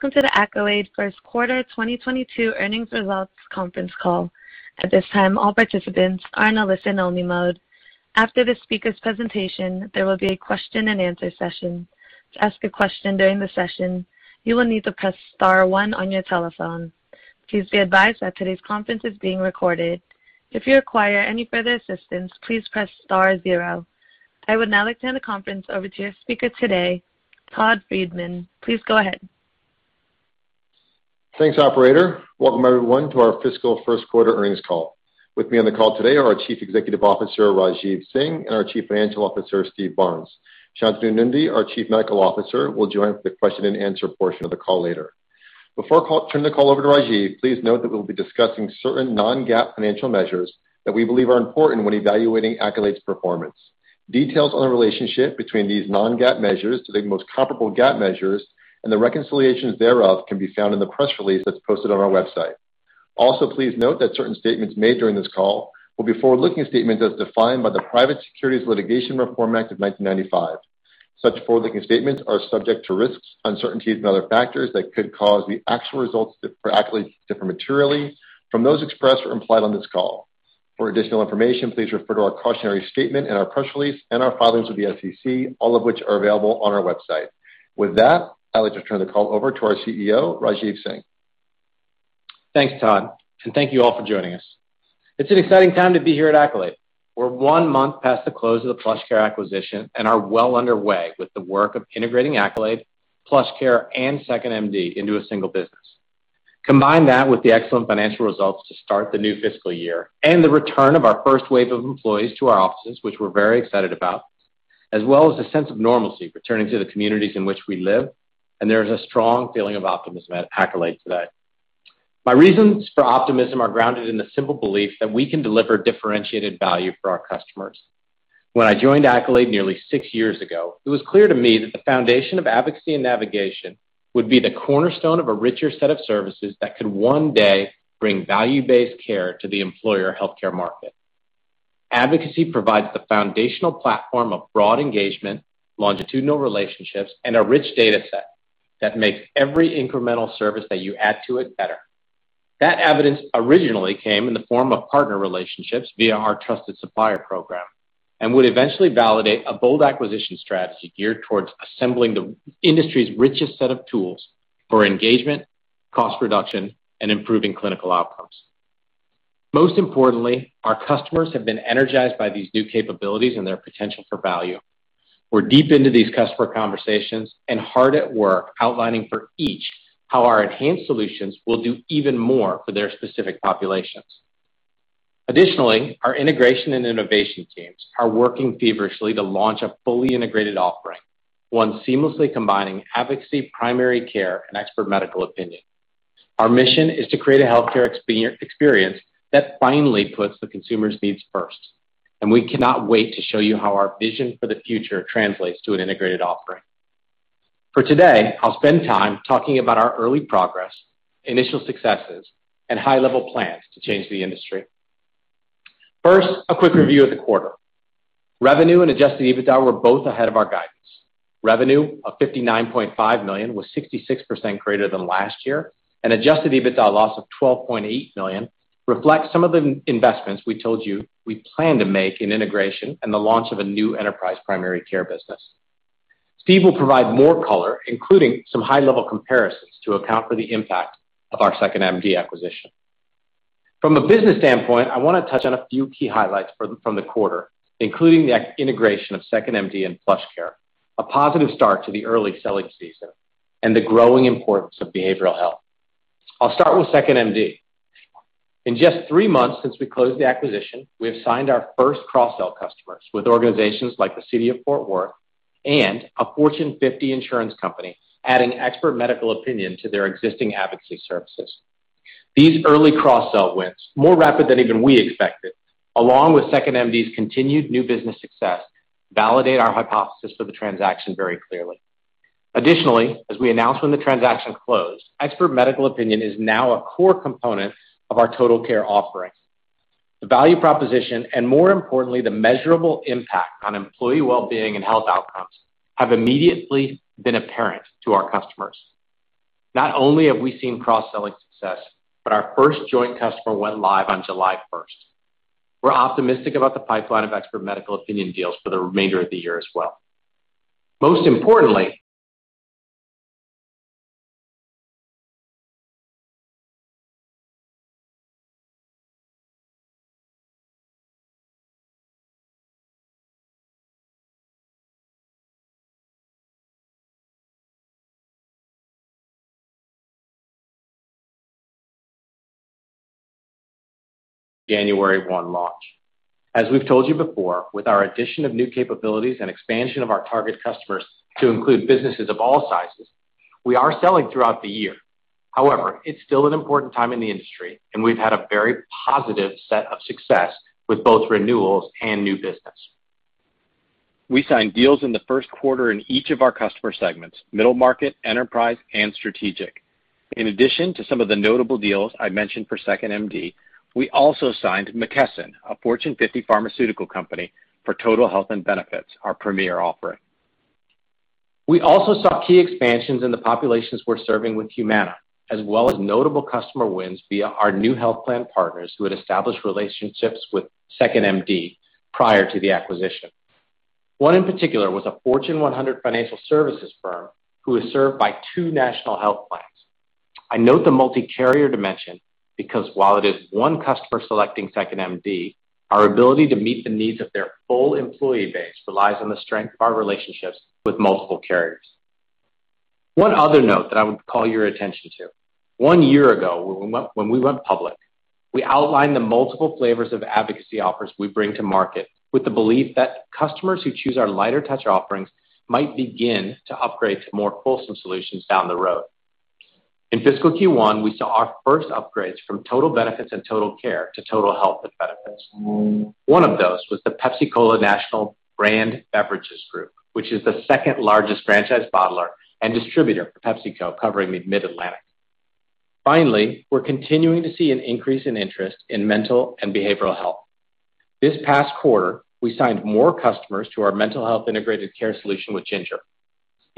I would now like to hand the conference over to your speaker today, Todd Friedman. Please go ahead. Thanks, operator. Welcome everyone to our fiscal first quarter earnings call. With me on the call today are our Chief Executive Officer, Rajeev Singh, and our Chief Financial Officer, Steve Barnes. Shantanu Nundy, our Chief Medical Officer, will join for the question and answer portion of the call later. Before I turn the call over to Rajeev, please note that we'll be discussing certain non-GAAP financial measures that we believe are important when evaluating Accolade's performance. Details on the relationship between these non-GAAP measures to the most comparable GAAP measures and the reconciliations thereof can be found in the press release that's posted on our website. Please note that certain statements made during this call will be forward-looking statements as defined by the Private Securities Litigation Reform Act of 1995. Such forward-looking statements are subject to risks, uncertainties, and other factors that could cause the actual results for Accolade to differ materially from those expressed or implied on this call. For additional information, please refer to our cautionary statement in our press release and our filings with the SEC, all of which are available on our website. With that, I'd like to turn the call over to our CEO, Rajeev Singh. Thanks, Todd, and thank you all for joining us. It's an exciting time to be here at Accolade. We're one month past the close of the PlushCare acquisition and are well underway with the work of integrating Accolade, PlushCare, and 2nd.MD into a single business. Combine that with the excellent financial results to start the new fiscal year and the return of our first wave of employees to our offices, which we're very excited about, as well as the sense of normalcy returning to the communities in which we live, and there is a strong feeling of optimism at Accolade today. My reasons for optimism are grounded in the simple belief that we can deliver differentiated value for our customers. When I joined Accolade nearly six years ago, it was clear to me that the foundation of advocacy and navigation would be the cornerstone of a richer set of services that could one day bring value-based care to the employer healthcare market. Advocacy provides the foundational platform of broad engagement, longitudinal relationships, and a rich data set that makes every incremental service that you add to it better. That evidence originally came in the form of partner relationships via our Trusted Supplier Program and would eventually validate a bold acquisition strategy geared towards assembling the industry's richest set of tools for engagement, cost reduction, and improving clinical outcomes. Most importantly, our customers have been energized by these new capabilities and their potential for value. We're deep into these customer conversations and hard at work outlining for each how our enhanced solutions will do even more for their specific populations. Additionally, our integration and innovation teams are working feverishly to launch a fully integrated offering, one seamlessly combining advocacy, primary care, and expert medical opinion. Our mission is to create a healthcare experience that finally puts the consumer's needs first. We cannot wait to show you how our vision for the future translates to an integrated offering. For today, I'll spend time talking about our early progress, initial successes, and high-level plans to change the industry. First, a quick review of the quarter. Revenue and adjusted EBITDA were both ahead of our guidance. Revenue of $59.5 million was 66% greater than last year. Adjusted EBITDA loss of $12.8 million reflects some of the investments we told you we plan to make in integration and the launch of a new enterprise primary care business. Steve will provide more color, including some high level comparisons to account for the impact of our 2nd.MD acquisition. From a business standpoint, I want to touch on a few key highlights from the quarter, including the integration of 2nd.MD and PlushCare, a positive start to the early selling season, and the growing importance of behavioral health. I'll start with 2nd.MD. In just three months since we closed the acquisition, we have signed our first cross-sell customers with organizations like the City of Fort Worth and a Fortune 50 insurance company, adding expert medical opinion to their existing advocacy services. These early cross-sell wins, more rapid than even we expected, along with 2nd.MD's continued new business success, validate our hypothesis for the transaction very clearly. Additionally, as we announced when the transaction closed, expert medical opinion is now a core component of our Total Care offering. The value proposition, and more importantly, the measurable impact on employee wellbeing and health outcomes, have immediately been apparent to our customers. Not only have we seen cross-selling success, but our first joint customer went live on July 1st. We're optimistic about the pipeline of expert medical opinion deals for the remainder of the year as well. Most importantly, January 1 launch. As we've told you before, with our addition of new capabilities and expansion of our target customers to include businesses of all sizes, we are selling throughout the year. However, it's still an important time in the industry, and we've had a very positive set of success with both renewals and new business. We signed deals in the first quarter in each of our customer segments, middle market, enterprise, and strategic. In addition to some of the notable deals I mentioned for 2nd.MD, we also signed McKesson, a Fortune 50 pharmaceutical company, for Total Health and Benefits, our premier offering. We also saw key expansions in the populations we're serving with Humana, as well as notable customer wins via our new health plan partners who had established relationships with 2nd.MD prior to the acquisition. One in particular was a Fortune 100 financial services firm who is served by two national health plans. I note the multi-carrier dimension because while it is one customer selecting 2nd.MD, our ability to meet the needs of their full employee base relies on the strength of our relationships with multiple carriers. One other note that I would call your attention to. One year ago, when we went public, we outlined the multiple flavors of advocacy offers we bring to market with the belief that customers who choose our lighter touch offerings might begin to upgrade to more wholesome solutions down the road. In fiscal Q1, we saw our first upgrades from Total Benefits and Total Care to Total Health and Benefits. One of those was the Pepsi-Cola and National Brand Beverages, which is the second largest franchise bottler and distributor for PepsiCo, covering the Mid-Atlantic. Finally, we're continuing to see an increase in interest in mental and behavioral health. This past quarter, we signed more customers to our Mental Health Integrated Care solution with Ginger.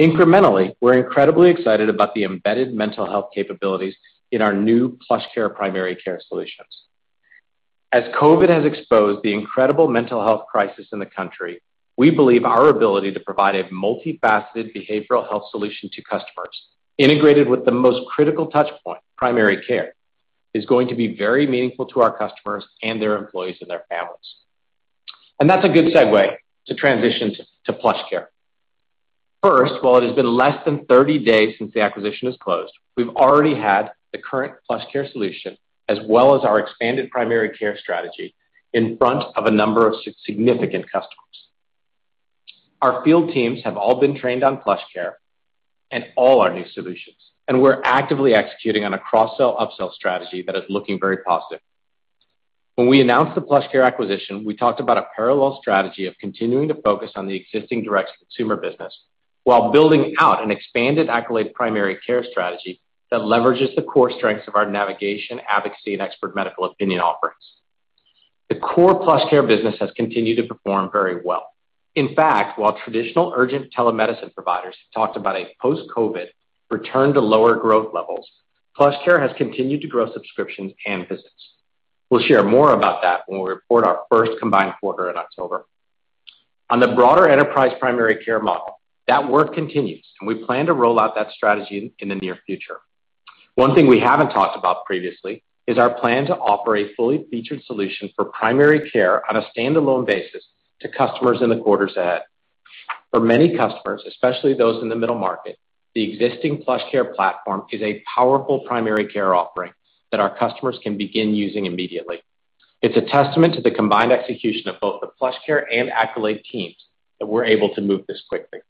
Incrementally, we're incredibly excited about the embedded mental health capabilities in our new PlushCare primary care solutions. As COVID has exposed the incredible mental health crisis in the country, we believe our ability to provide a multifaceted behavioral health solution to customers integrated with the most critical touchpoint, primary care, is going to be very meaningful to our customers and their employees and their families. That's a good segue to transition to PlushCare. First, while it has been less than 30 days since the acquisition has closed, we've already had the current PlushCare solution, as well as our expanded primary care strategy in front of a number of significant customers. Our field teams have all been trained on PlushCare and all our new solutions, and we're actively executing on a cross-sell, upsell strategy that is looking very positive. When we announced the PlushCare acquisition, we talked about a parallel strategy of continuing to focus on the existing direct consumer business while building out an expanded Accolade primary care strategy that leverages the core strengths of our navigation, advocacy, and expert medical opinion offerings. The core PlushCare business has continued to perform very well. In fact, while traditional urgent telemedicine providers have talked about a post-COVID return to lower growth levels, PlushCare has continued to grow subscriptions and visits. We'll share more about that when we report our first combined quarter in October. On the broader enterprise primary care model, that work continues, and we plan to roll out that strategy in the near future. One thing we haven't talked about previously is our plan to offer a fully featured solution for primary care on a standalone basis to customers in the quarters ahead. For many customers, especially those in the middle market, the existing PlushCare platform is a powerful primary care offering that our customers can begin using immediately. It's a testament to the combined execution of both the PlushCare and Accolade teams that we're able to move this quickly.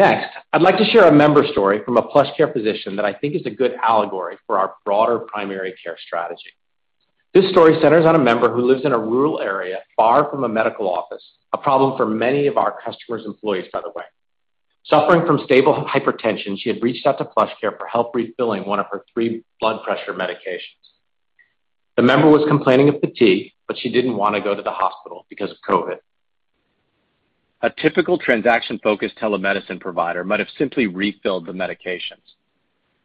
I'd like to share a member story from a PlushCare physician that I think is a good allegory for our broader primary care strategy. This story centers on a member who lives in a rural area far from a medical office, a problem for many of our customers' employees, by the way. Suffering from stable hypertension, she had reached out to PlushCare for help refilling one of her three blood pressure medications. The member was complaining of fatigue, she didn't want to go to the hospital because of COVID. A typical transaction-focused telemedicine provider might have simply refilled the medications.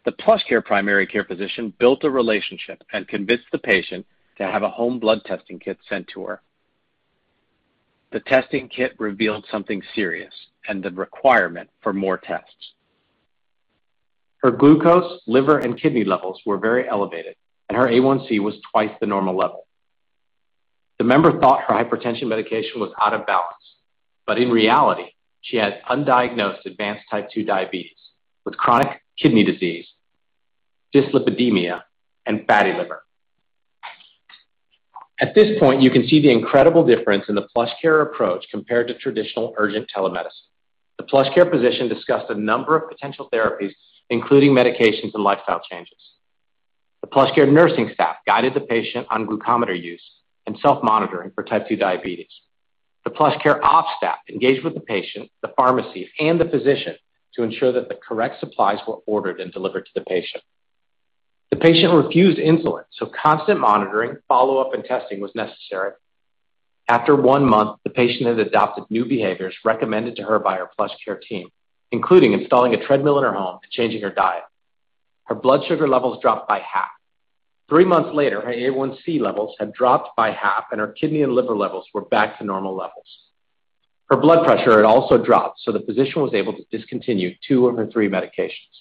The PlushCare primary care physician built a relationship and convinced the patient to have a home blood testing kit sent to her. The testing kit revealed something serious and the requirement for more tests. Her glucose, liver, and kidney levels were very elevated, and her A1C was twice the normal level. The member thought her hypertension medication was out of balance, but in reality, she had undiagnosed advanced type 2 diabetes with chronic kidney disease, dyslipidemia, and fatty liver. At this point, you can see the incredible difference in the PlushCare approach compared to traditional urgent telemedicine. The PlushCare physician discussed a number of potential therapies, including medications and lifestyle changes. The PlushCare nursing staff guided the patient on glucometer use and self-monitoring for type 2 diabetes. The PlushCare ops staff engaged with the patient, the pharmacy, and the physician to ensure that the correct supplies were ordered and delivered to the patient. The patient refused insulin, constant monitoring, follow-up, and testing was necessary. After one month, the patient had adopted new behaviors recommended to her by her PlushCare team, including installing a treadmill in her home and changing her diet. Her blood sugar levels dropped by half. Three months later, her A1C levels had dropped by half, and her kidney and liver levels were back to normal levels. Her blood pressure had also dropped, the physician was able to discontinue two of her three medications.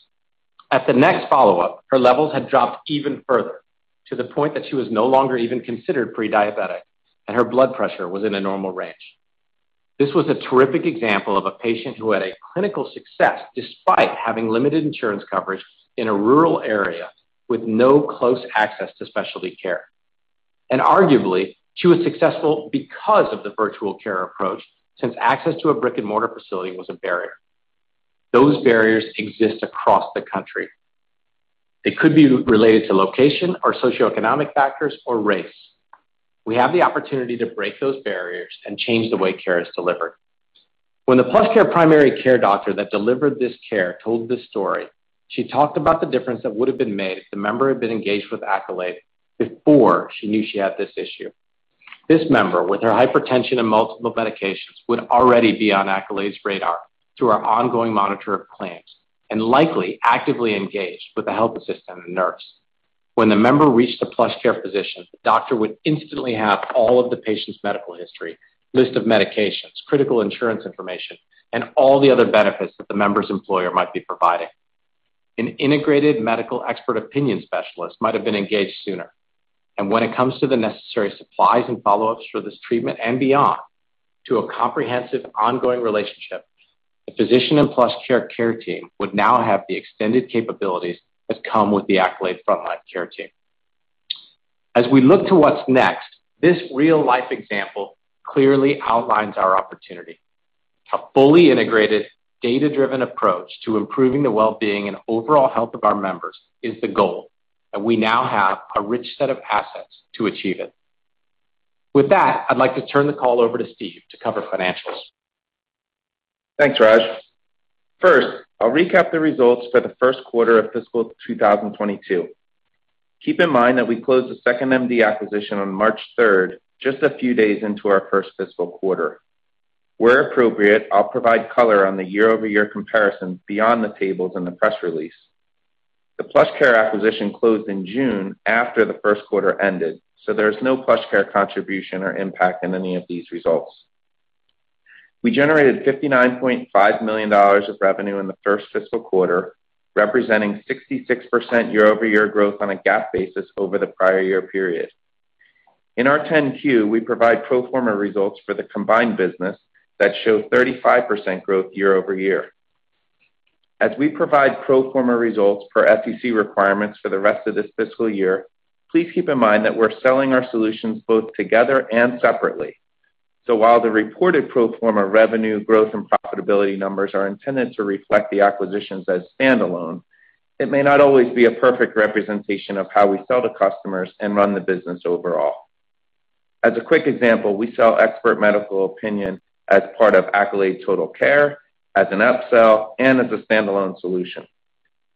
At the next follow-up, her levels had dropped even further, to the point that she was no longer even considered pre-diabetic, and her blood pressure was in a normal range. This was a terrific example of a patient who had a clinical success despite having limited insurance coverage in a rural area with no close access to specialty care. Arguably, she was successful because of the virtual care approach, since access to a brick-and-mortar facility was a barrier. Those barriers exist across the country. It could be related to location or socioeconomic factors or race. We have the opportunity to break those barriers and change the way care is delivered. When the PlushCare primary care doctor that delivered this care told this story, she talked about the difference that would've been made if the member had been engaged with Accolade before she knew she had this issue. This member, with her hypertension and multiple medications, would already be on Accolade's radar through our ongoing monitor of claims, and likely actively engaged with a health assistant and nurse. When the member reached a PlushCare physician, the doctor would instantly have all of the patient's medical history, list of medications, critical insurance information, and all the other benefits that the member's employer might be providing. An integrated medical expert opinion specialist might've been engaged sooner. When it comes to the necessary supplies and follow-ups for this treatment and beyond, through a comprehensive ongoing relationship, the physician and PlushCare care team would now have the extended capabilities that come with the Accolade frontline care team. As we look to what's next, this real-life example clearly outlines our opportunity. A fully integrated, data-driven approach to improving the wellbeing and overall health of our members is the goal, and we now have a rich set of assets to achieve it. With that, I'd like to turn the call over to Steve to cover financials. Thanks, Raj. First, I'll recap the results for the first quarter of fiscal 2022. Keep in mind that we closed the 2nd.MD acquisition on March 3rd, just a few days into our first fiscal quarter. Where appropriate, I'll provide color on the year-over-year comparison beyond the tables in the press release. The PlushCare acquisition closed in June, after the first quarter ended, so there's no PlushCare contribution or impact in any of these results. We generated $59.5 million of revenue in the first fiscal quarter, representing 66% year-over-year growth on a GAAP basis over the prior year period. In our 10-Q, we provide pro forma results for the combined business that show 35% growth year-over-year. As we provide pro forma results for SEC requirements for the rest of this fiscal year, please keep in mind that we're selling our solutions both together and separately. While the reported pro forma revenue growth and profitability numbers are intended to reflect the acquisitions as standalone, it may not always be a perfect representation of how we sell to customers and run the business overall. As a quick example, we sell expert medical opinion as part of Accolade Total Care, as an upsell, and as a standalone solution.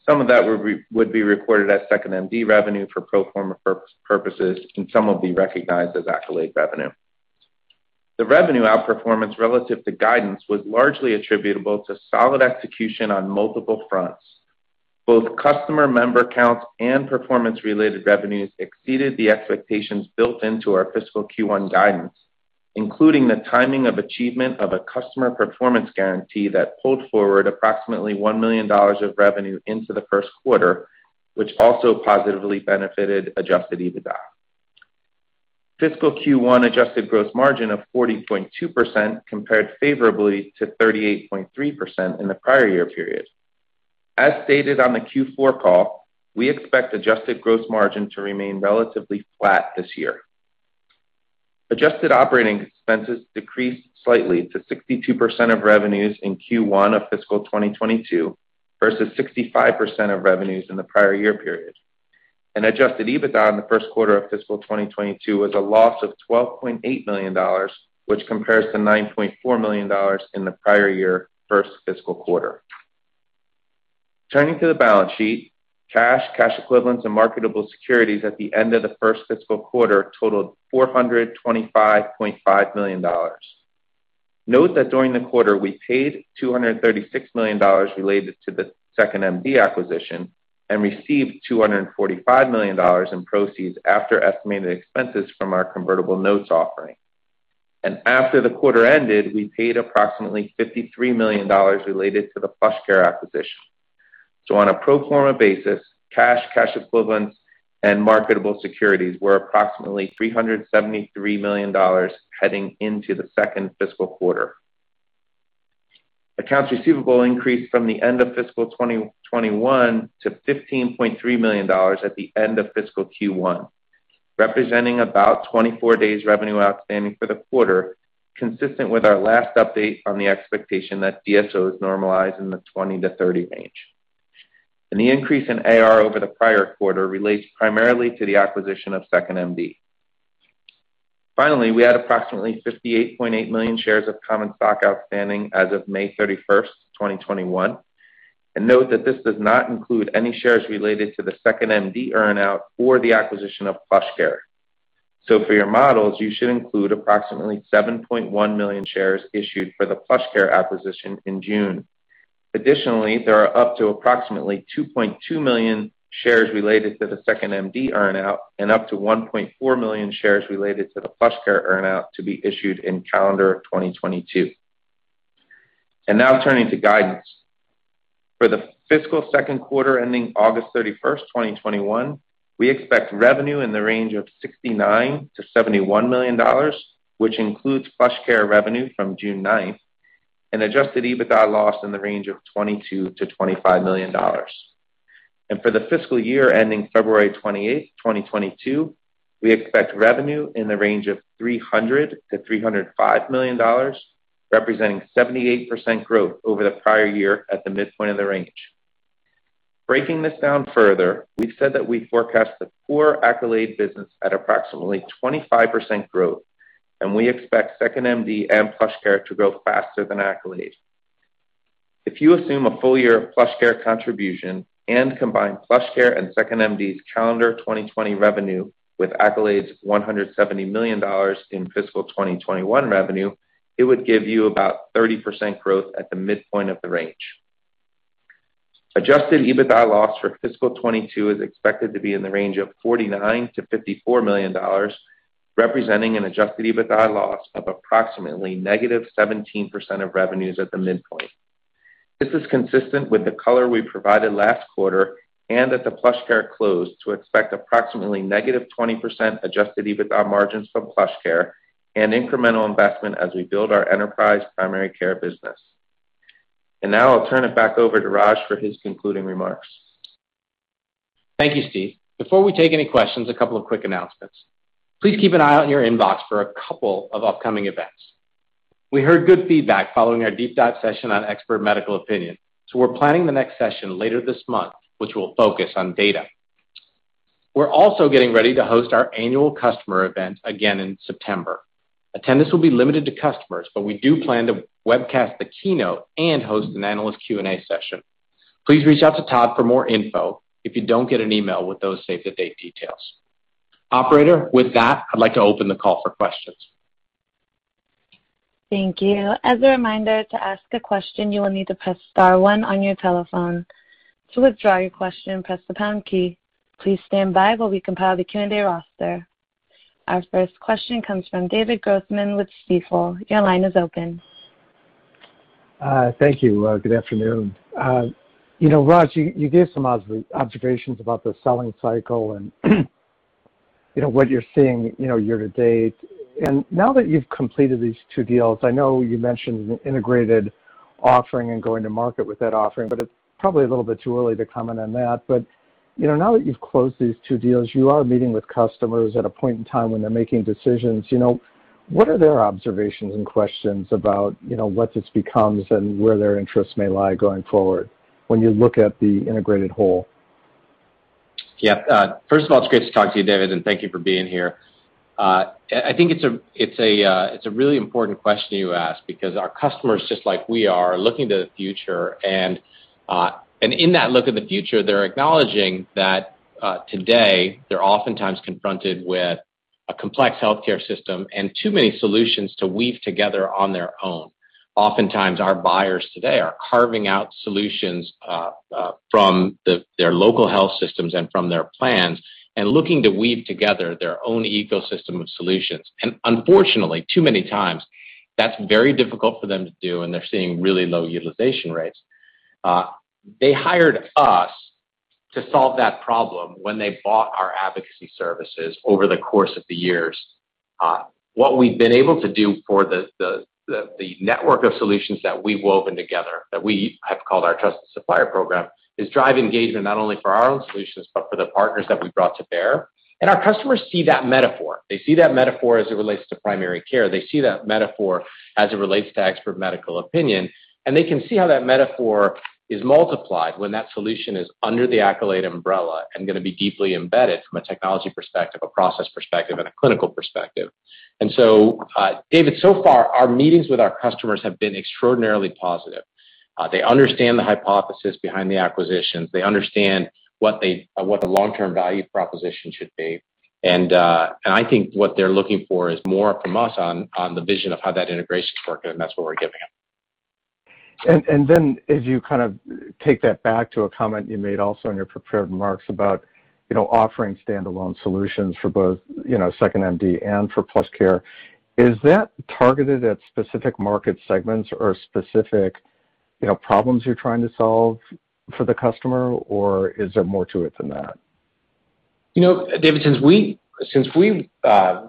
Some of that would be recorded as 2nd.MD revenue for pro forma purposes, and some will be recognized as Accolade revenue. The revenue outperformance relative to guidance was largely attributable to solid execution on multiple fronts. Both customer member counts and performance-related revenues exceeded the expectations built into our fiscal Q1 guidance, including the timing of achievement of a customer performance guarantee that pulled forward approximately $1 million of revenue into the first quarter, which also positively benefited adjusted EBITDA. Fiscal Q1 adjusted gross margin of 40.2% compared favorably to 38.3% in the prior year period. As stated on the Q4 call, we expect adjusted gross margin to remain relatively flat this year. Adjusted operating expenses decreased slightly to 62% of revenues in Q1 of fiscal 2022 versus 65% of revenues in the prior year period. Adjusted EBITDA in the first quarter of fiscal 2022 was a loss of $12.8 million, which compares to $9.4 million in the prior year first fiscal quarter. Turning to the balance sheet, cash equivalents, and marketable securities at the end of the first fiscal quarter totaled $425.5 million. Note that during the quarter, we paid $236 million related to the 2nd.MD acquisition and received $245 million in proceeds after estimated expenses from our convertible notes offering. After the quarter ended, we paid approximately $53 million related to the PlushCare acquisition. On a pro forma basis, cash equivalents, and marketable securities were approximately $373 million heading into the second fiscal quarter. Accounts receivable increased from the end of fiscal 2021 to $15.3 million at the end of fiscal Q1, representing about 24 days revenue outstanding for the quarter, consistent with our last update on the expectation that DSOs normalize in the 20-30 range. The increase in AR over the prior quarter relates primarily to the acquisition of 2nd.MD. We had approximately 58.8 million shares of common stock outstanding as of May 31st, 2021, and note that this does not include any shares related to the 2nd.MD earn-out or the acquisition of PlushCare. For your models, you should include approximately 7.1 million shares issued for the PlushCare acquisition in June. Additionally, there are up to approximately 2.2 million shares related to the 2nd.MD earn-out and up to 1.4 million shares related to the PlushCare earn-out to be issued in calendar 2022. Now turning to guidance. For the fiscal second quarter ending August 31st, 2021, we expect revenue in the range of $69 million-$71 million, which includes PlushCare revenue from June 9th, and adjusted EBITDA loss in the range of $22 million-$25 million. For the fiscal year ending February 28th, 2022, we expect revenue in the range of $300 million-$305 million, representing 78% growth over the prior year at the midpoint of the range. Breaking this down further, we said that we forecast the core Accolade business at approximately 25% growth, and we expect 2nd.MD and PlushCare to grow faster than Accolade. If you assume a full year of PlushCare contribution and combine PlushCare and 2nd.MD's calendar 2020 revenue with Accolade's $170 million in fiscal 2021 revenue, it would give you about 30% growth at the midpoint of the range. Adjusted EBITDA loss for fiscal 2022 is expected to be in the range of $49 million-$54 million, representing an adjusted EBITDA loss of approximately negative 17% of revenues at the midpoint. This is consistent with the color we provided last quarter and at the PlushCare close to expect approximately negative 20% adjusted EBITDA margins from PlushCare and incremental investment as we build our enterprise primary care business. Now I'll turn it back over to Raj for his concluding remarks. Thank you, Steve. Before we take any questions, a couple of quick announcements. Please keep an eye on your inbox for a couple of upcoming events. We heard good feedback following our deep dive session on expert medical opinion, so we're planning the next session later this month, which will focus on data. We're also getting ready to host our annual customer event again in September. Attendance will be limited to customers, but we do plan to webcast the keynote and host an analyst Q&A session. Please reach out to Todd for more info if you don't get an email with those save the date details. Operator, with that, I'd like to open the call for questions. Thank you. As a reminder, to ask a question, press star one on your telephone. To withdraw your question, press the pound key. Please standby while we compile the Q&A roster. Our first question comes from David Grossman with Stifel. Your line is open. Thank you. Good afternoon. Raj, you gave some observations about the selling cycle and what you're seeing year to date. Now that you've completed these two deals, I know you mentioned an integrated offering and going to market with that offering, but it's probably a little bit too early to comment on that. Now that you've closed these two deals, you are meeting with customers at a point in time when they're making decisions. What are their observations and questions about what this becomes and where their interests may lie going forward when you look at the integrated whole? First of all, it's great to talk to you, David, and thank you for being here. I think it's a really important question you ask because our customers, just like we are looking to the future. In that look at the future, they're acknowledging that today they're oftentimes confronted with a complex healthcare system and too many solutions to weave together on their own. Oftentimes, our buyers today are carving out solutions from their local health systems and from their plans and looking to weave together their own ecosystem of solutions. Unfortunately, too many times, that's very difficult for them to do, and they're seeing really low utilization rates. They hired us to solve that problem when they bought our advocacy services over the course of the years. What we've been able to do for the network of solutions that we've woven together, that we have called our Trusted Supplier Program, is drive engagement not only for our own solutions but for the partners that we’ve brought to bear. Our customers see that metaphor. They see that metaphor as it relates to primary care. They see that metaphor as it relates to expert medical opinion, and they can see how that metaphor is multiplied when that solution is under the Accolade umbrella and going to be deeply embedded from a technology perspective, a process perspective, and a clinical perspective. David, so far, our meetings with our customers have been extraordinarily positive. They understand the hypothesis behind the acquisitions. They understand what the long-term value proposition should be. I think what they're looking for is more from us on the vision of how that integration's working, and that's what we're giving them. Then as you take that back to a comment you made also in your prepared remarks about offering standalone solutions for both 2nd.MD and for PlushCare, is that targeted at specific market segments or specific problems you're trying to solve for the customer, or is there more to it than that? David, since we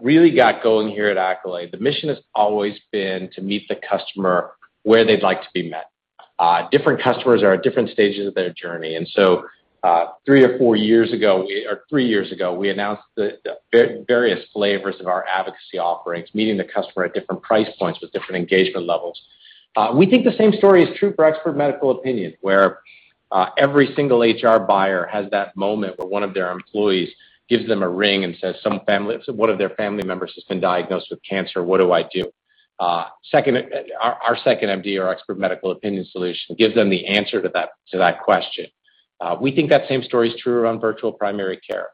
really got going here at Accolade, the mission has always been to meet the customer where they'd like to be met. Different customers are at different stages of their journey, and so three or four years ago, or three years ago, we announced the various flavors of our advocacy offerings, meeting the customer at different price points with different engagement levels. We think the same story is true for expert medical opinions, where every single HR buyer has that moment where one of their employees gives them a ring and says one of their family members has been diagnosed with cancer, what do I do? Our 2nd.MD, our expert medical opinion solution, gives them the answer to that question. We think that same story is true around virtual primary care.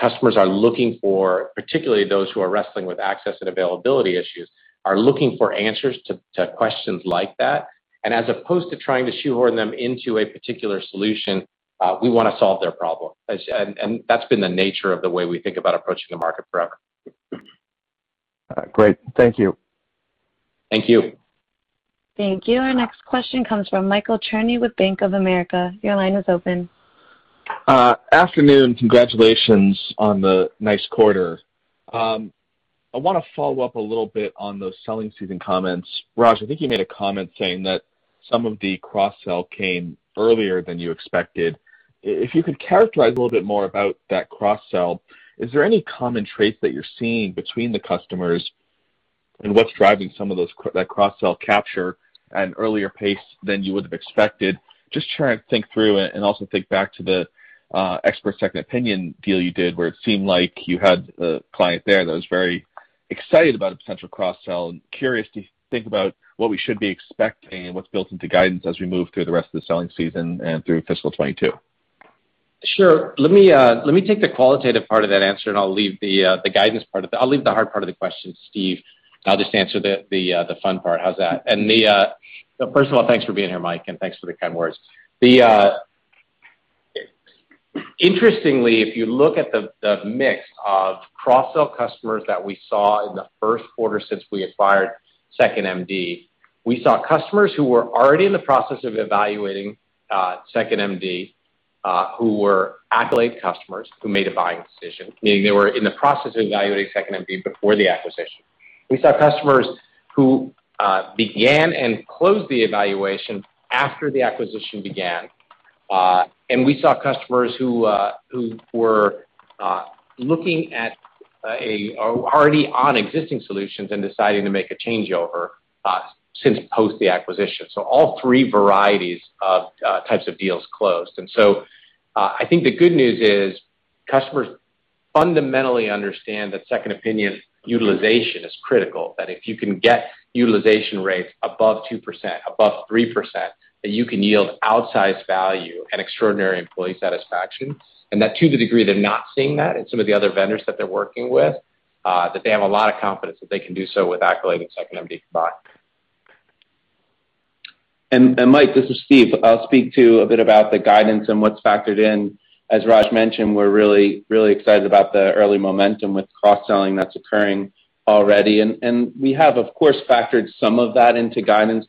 Customers are looking for, particularly those who are wrestling with access and availability issues, are looking for answers to questions like that. As opposed to trying to shoehorn them into a particular solution, we want to solve their problem. That's been the nature of the way we think about approaching the market forever. Great. Thank you. Thank you. Thank you. Our next question comes from Michael Cherny with Bank of America. Your line is open. Afternoon. Congratulations on the nice quarter. I want to follow up a little bit on those selling season comments. Raj, I think you made a comment saying that some of the cross-sell came earlier than you expected. If you could characterize a little bit more about that cross-sell. Is there any common trait that you're seeing between the customers? What's driving some of that cross-sell capture at an earlier pace than you would've expected? Just trying to think through it and also think back to the expert second opinion deal you did, where it seemed like you had a client there that was very excited about potential cross-sell. Curious to think about what we should be expecting and what's built into guidance as we move through the rest of the selling season and through fiscal 2022. Sure. Let me take the qualitative part of that answer, and I'll leave the hard part of the question to Steve. I'll just answer the fun part. How's that? First of all, thanks for being here, Mike, and thanks for the kind words. Interestingly, if you look at the mix of cross-sell customers that we saw in the first quarter since we acquired 2nd.MD, we saw customers who were already in the process of evaluating 2nd.MD, who were Accolade customers, who made a buying decision, meaning they were in the process of evaluating 2nd.MD before the acquisition. We saw customers who began and closed the evaluation after the acquisition began. We saw customers who were already on existing solutions and decided to make a changeover post the acquisition. All three varieties of types of deals closed. I think the good news is customers fundamentally understand that second opinion utilization is critical, that if you can get utilization rates above 2%, above 3%, that you can yield outsized value and extraordinary employee satisfaction. To the degree they're not seeing that in some of the other vendors that they're working with, that they have a lot of confidence that they can do so with Accolade and 2nd.MD combined. Mike, this is Steve. I'll speak too a bit about the guidance and what's factored in. As Raj mentioned, we're really excited about the early momentum with cross-selling that's occurring already, and we have of course factored some of that into guidance.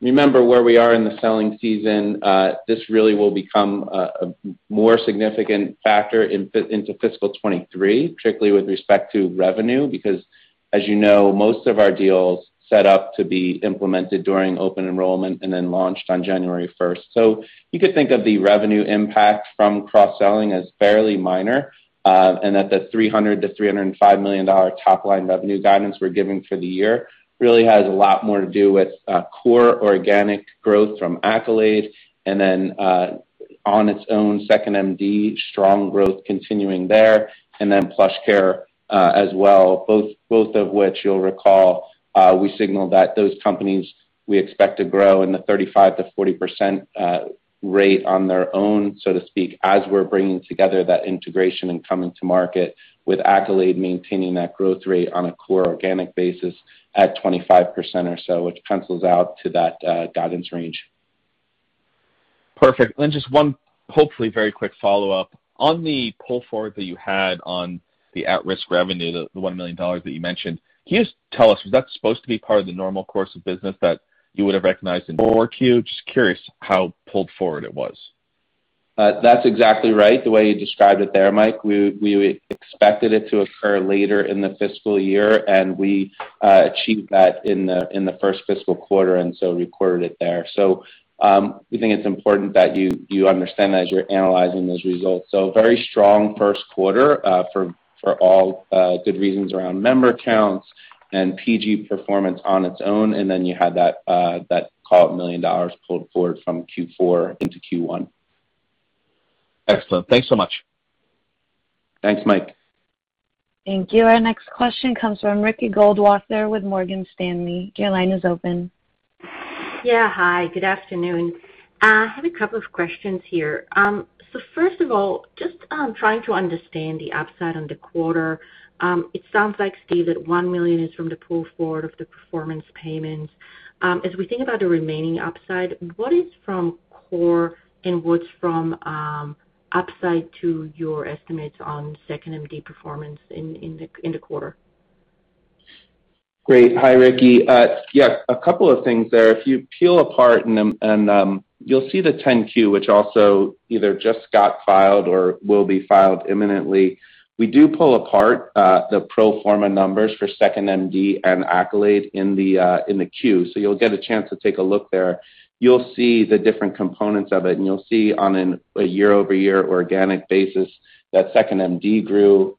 Remember where we are in the selling season, this really will become a more significant factor into fiscal 2023, particularly with respect to revenue, because as you know, most of our deals set up to be implemented during open enrollment and then launched on January 1st. You could think of the revenue impact from cross-selling as fairly minor, and that the $300 million-$305 million top line of new guidance we're giving for the year really has a lot more to do with core organic growth from Accolade, and then on its own, 2nd.MD, strong growth continuing there, and then PlushCare as well. Both of which you'll recall, we signaled that those companies we expect to grow in the 35%-40% rate on their own, so to speak, as we're bringing together that integration and coming to market with Accolade maintaining that growth rate on a core organic basis at 25% or so, which pencils out to that guidance range. Perfect. Just one hopefully very quick follow-up. On the pull forward that you had on the at-risk revenue, the $1 million that you mentioned, can you just tell us, is that supposed to be part of the normal course of business that you would've recognized in 4Q? Just curious how pulled forward it was. That's exactly right, the way you described it there, Mike. We expected it to occur later in the fiscal year, and so we recorded it there. We think it's important that you understand that as you're analyzing those results. A very strong first quarter for all good reasons around member counts and PG performance on its own. You had that call it $1 million pulled forward from Q4 into Q1. Excellent. Thanks so much. Thanks, Mike. Thank you. Our next question comes from Ricky Goldwasser with Morgan Stanley. Your line is open. Yeah. Hi, good afternoon. I have a couple of questions here. First of all, just trying to understand the upside in the quarter. It sounds like, Steve, that $1 million is from the pull forward of the performance payments. As we think about the remaining upside, what is from core and what's from upside to your estimates on 2nd.MD performance in the quarter? Great. Hi, Ricky. A couple of things there. If you peel apart, you'll see the 10-Q, which also either just got filed or will be filed imminently. We do pull apart the pro forma numbers for 2nd.MD and Accolade in the Q. You'll get a chance to take a look there. You'll see the different components of it, you'll see on a year-over-year organic basis that 2nd.MD grew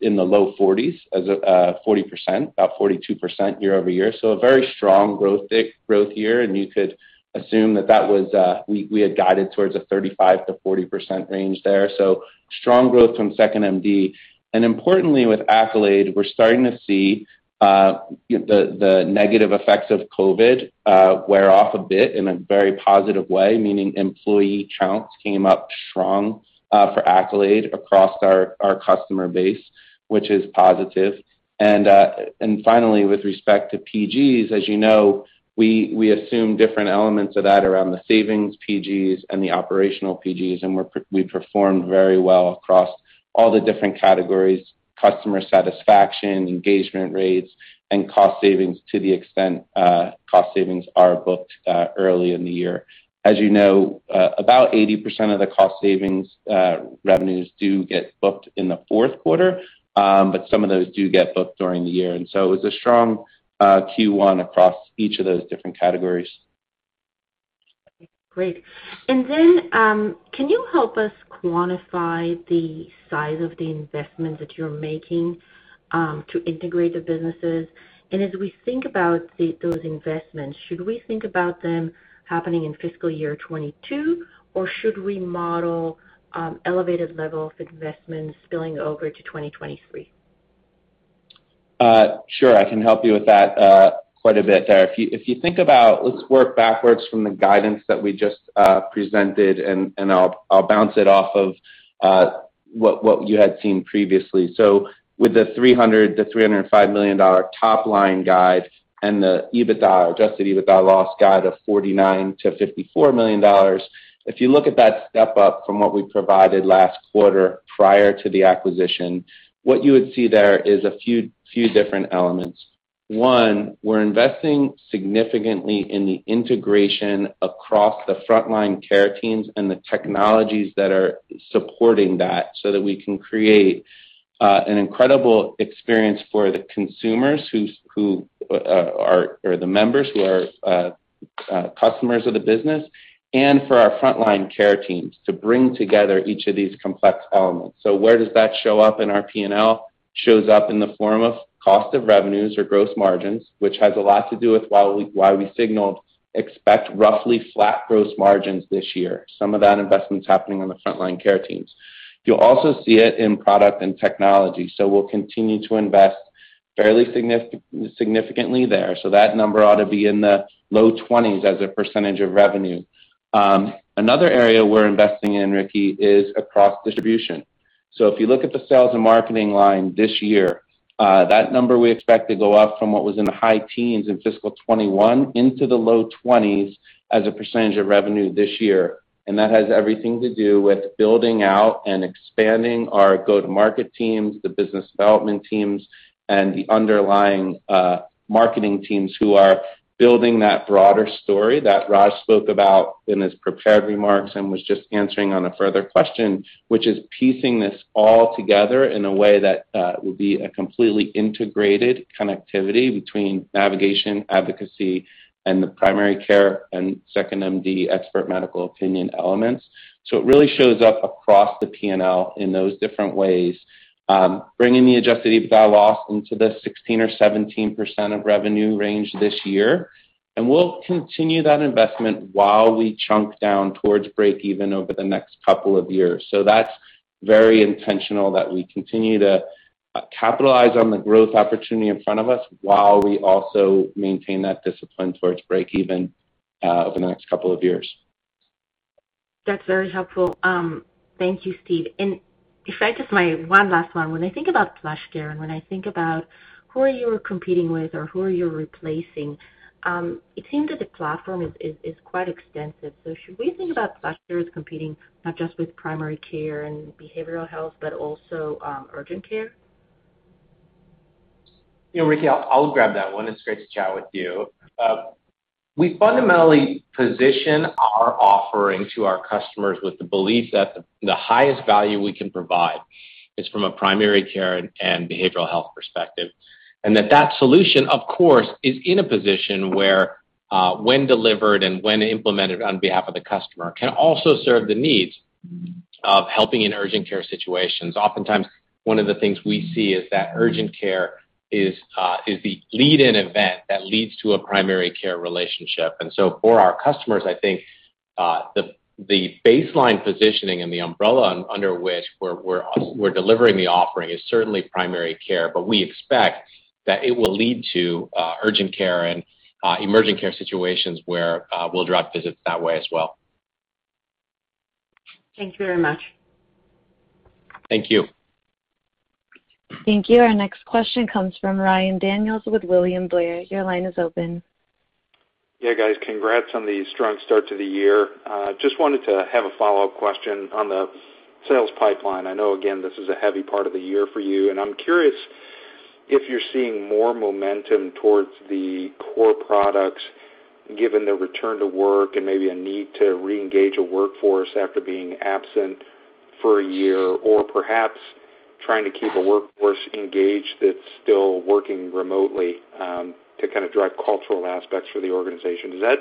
in the low 40s, 40%, about 42% year-over-year. A very strong growth year, you could assume that we had guided towards a 35%-40% range there. Importantly with Accolade, we're starting to see the negative effects of COVID wear off a bit in a very positive way, meaning employee counts came up strong for Accolade across our customer base, which is positive. Finally, with respect to PGs, as you know, we assume different elements of that around the savings PGs and the operational PGs, and we performed very well across all the different categories, customer satisfaction, engagement rates, and cost savings to the extent cost savings are booked early in the year. About 80% of the cost savings revenues do get booked in the fourth quarter, but some of those do get booked during the year. It was a strong Q1 across each of those different categories. Great. Can you help us quantify the size of the investment that you're making to integrate the businesses? As we think about those investments, should we think about them happening in fiscal year 2022, or should we model elevated levels of investments spilling over to 2023? Sure, I can help you with that quite a bit there. If you think about, let's work backwards from the guidance that we just presented, and I'll bounce it off of what you had seen previously. With the $300 million-$305 million top-line guide and the adjusted EBITDA loss guide of $49 million-$54 million, if you look at that step-up from what we provided last quarter prior to the acquisition, what you would see there is a few different elements. One, we're investing significantly in the integration across the frontline care teams and the technologies that are supporting that, so that we can create an incredible experience for the members who are customers of the business and for our frontline care teams to bring together each of these complex elements. Where does that show up in our P&L? Shows up in the form of cost of revenues or gross margins, which has a lot to do with why we signaled expect roughly flat gross margins this year. Some of that investment's happening on the frontline care teams. You'll also see it in product and technology. We'll continue to invest fairly significantly there. That number ought to be in the low 20s as a percentage of revenue. Another area we're investing in, Ricky, is across distribution. If you look at the sales and marketing line this year, that number we expect to go up from what was in the high teens in fiscal 2021 into the low 20s as a percentage of revenue this year. That has everything to do with building out and expanding our go-to-market teams, the business development teams, and the underlying marketing teams who are building that broader story that Raj spoke about in his prepared remarks and was just answering on a further question, which is piecing this all together in a way that will be a completely integrated connectivity between navigation, advocacy, and the primary care and 2nd.MD expert medical opinion elements. It really shows up across the P&L in those different ways, bringing the adjusted EBITDA loss into the 16% or 17% of revenue range this year. We'll continue that investment while we chunk down towards break even over the next couple of years. That's very intentional that we continue to capitalize on the growth opportunity in front of us while we also maintain that discipline towards break even, over the next couple of years. That's very helpful. Thank you, Steve. If I just, my one last one, when I think about PlushCare and when I think about who you're competing with or who you're replacing, it seems that the platform is quite extensive. Should we think about PlushCare as competing not just with primary care and behavioral health, but also urgent care? Yeah, Ricky, I'll grab that one. It's great to chat with you. We fundamentally position our offering to our customers with the belief that the highest value we can provide is from a primary care and behavioral health perspective. That that solution, of course, is in a position where, when delivered and when implemented on behalf of the customer, can also serve the needs of helping in urgent care situations. Oftentimes, one of the things we see is that urgent care is the lead-in event that leads to a primary care relationship. For our customers, I think, the baseline positioning and the umbrella under which we're delivering the offering is certainly primary care, but we expect that it will lead to urgent care and emerging care situations where we'll drive visits that way as well. Thank you very much. Thank you. Thank you. Our next question comes from Ryan Daniels with William Blair. Your line is open. Yeah, guys. Congrats on the strong start to the year. Wanted to have a follow-up question on the sales pipeline. I know, again, this is a heavy part of the year for you. I'm curious if you're seeing more momentum towards the core products, given the return to work and maybe a need to reengage a workforce after being absent for a year, or perhaps trying to keep a workforce engaged that's still working remotely, to kind of drive cultural aspects for the organization. Is that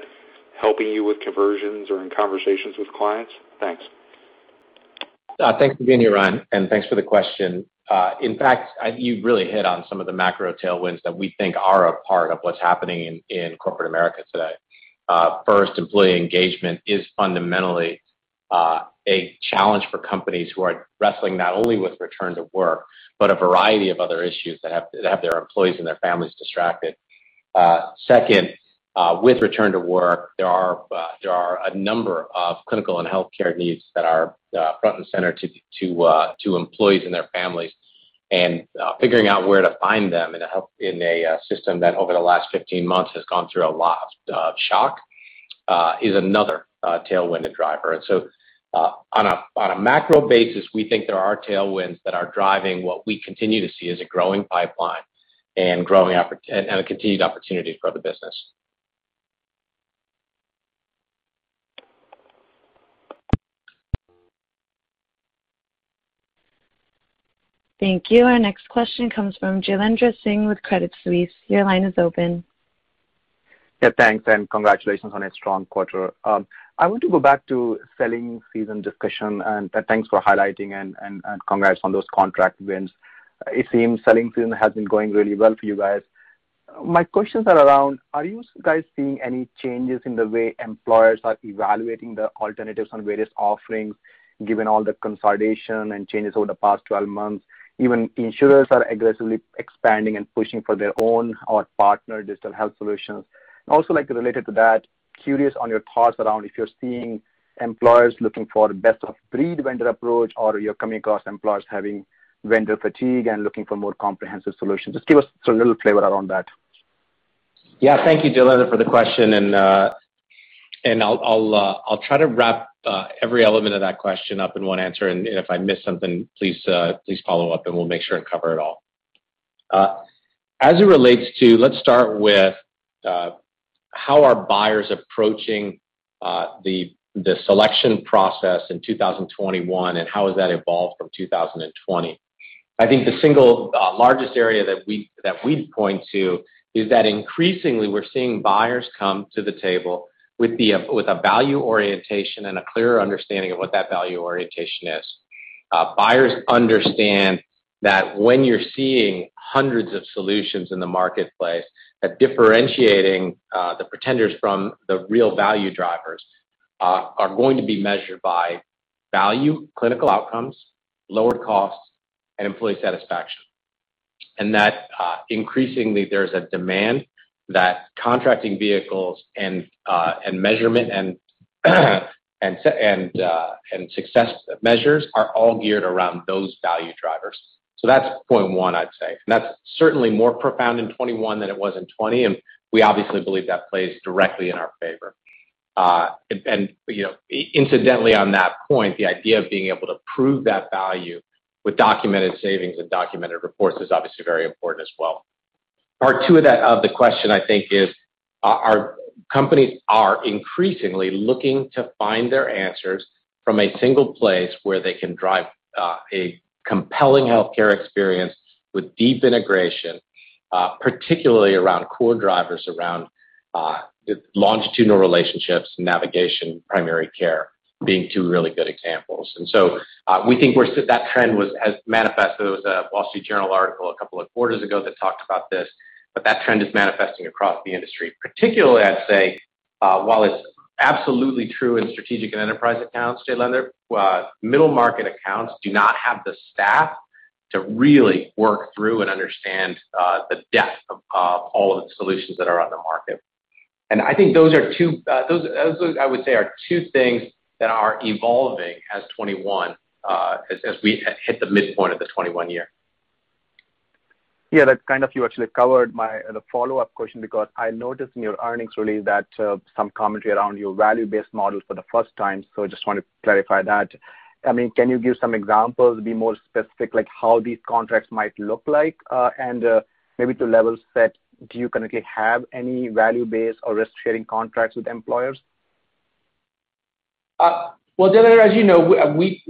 helping you with conversions or in conversations with clients? Thanks. Thanks again, Ryan, and thanks for the question. In fact, you really hit on some of the macro tailwinds that we think are a part of what's happening in corporate America today. First, employee engagement is fundamentally a challenge for companies who are wrestling not only with return to work, but a variety of other issues that have their employees and their families distracted. Second, with return to work, there are a number of clinical and healthcare needs that are front and center to employees and their families. Figuring out where to find them in a system that over the last 15 months has gone through a lot of shock, is another tailwind and driver. On a macro basis, we think there are tailwinds that are driving what we continue to see as a growing pipeline and a continued opportunity for the business. Thank you. Our next question comes from Jailendra Singh with Credit Suisse. Your line is open. Yeah, thanks, and congratulations on a strong quarter. I want to go back to selling season discussion, and thanks for highlighting and congrats on those contract wins. It seems selling season has been going really well for you guys. My questions are around, are you guys seeing any changes in the way employers are evaluating the alternatives on various offerings, given all the consolidation and changes over the past 12 months? Even insurers are aggressively expanding and pushing for their own or partner digital health solutions. Also, like related to that, curious on your thoughts around if you're seeing employers looking for best of breed vendor approach, or you're coming across employers having vendor fatigue and looking for more comprehensive solutions. Just give us a little flavor around that. Thank you, Jailendra, for the question. I'll try to wrap every element of that question up in one answer. If I miss something, please follow up and we'll make sure and cover it all. Let's start with how are buyers approaching the selection process in 2021, and how has that evolved from 2020? I think the single largest area that we'd point to is that increasingly we're seeing buyers come to the table with a value orientation, a clearer understanding of what that value orientation is. Buyers understand that when you're seeing hundreds of solutions in the marketplace, that differentiating the pretenders from the real value drivers are going to be measured by value, clinical outcomes, lowered costs, employee satisfaction. That increasingly there's a demand that contracting vehicles, measurement, and success measures are all geared around those value drivers. That's point one, I'd say. That's certainly more profound in 2021 than it was in 2020, and we obviously believe that plays directly in our favor. Incidentally on that point, the idea of being able to prove that value with documented savings and documented reports is obviously very important as well. Part two of the question, I think, is companies are increasingly looking to find their answers from a single place where they can drive a compelling healthcare experience with deep integration, particularly around core drivers around longitudinal relationships, navigation, primary care being two really good examples. We think that trend has manifested. There was a Wall Street Journal article a couple of quarters ago that talked about this, but that trend is manifesting across the industry. Particularly, I'd say, while it's absolutely true in strategic and enterprise accounts, Jailendra, middle-market accounts do not have the staff to really work through and understand the depth of all of the solutions that are on the market. I think those, I would say, are two things that are evolving as we hit the midpoint of the 2021 year. Yeah. You actually covered the follow-up question because I noticed in your earnings release that some commentary around your Value-based model for the first time. I just want to clarify that. Can you give some examples, be more specific, like how these contracts might look like? Maybe to level set, do you currently have any Value-based or risk-sharing contracts with employers? Well, Jailendra, as you know, we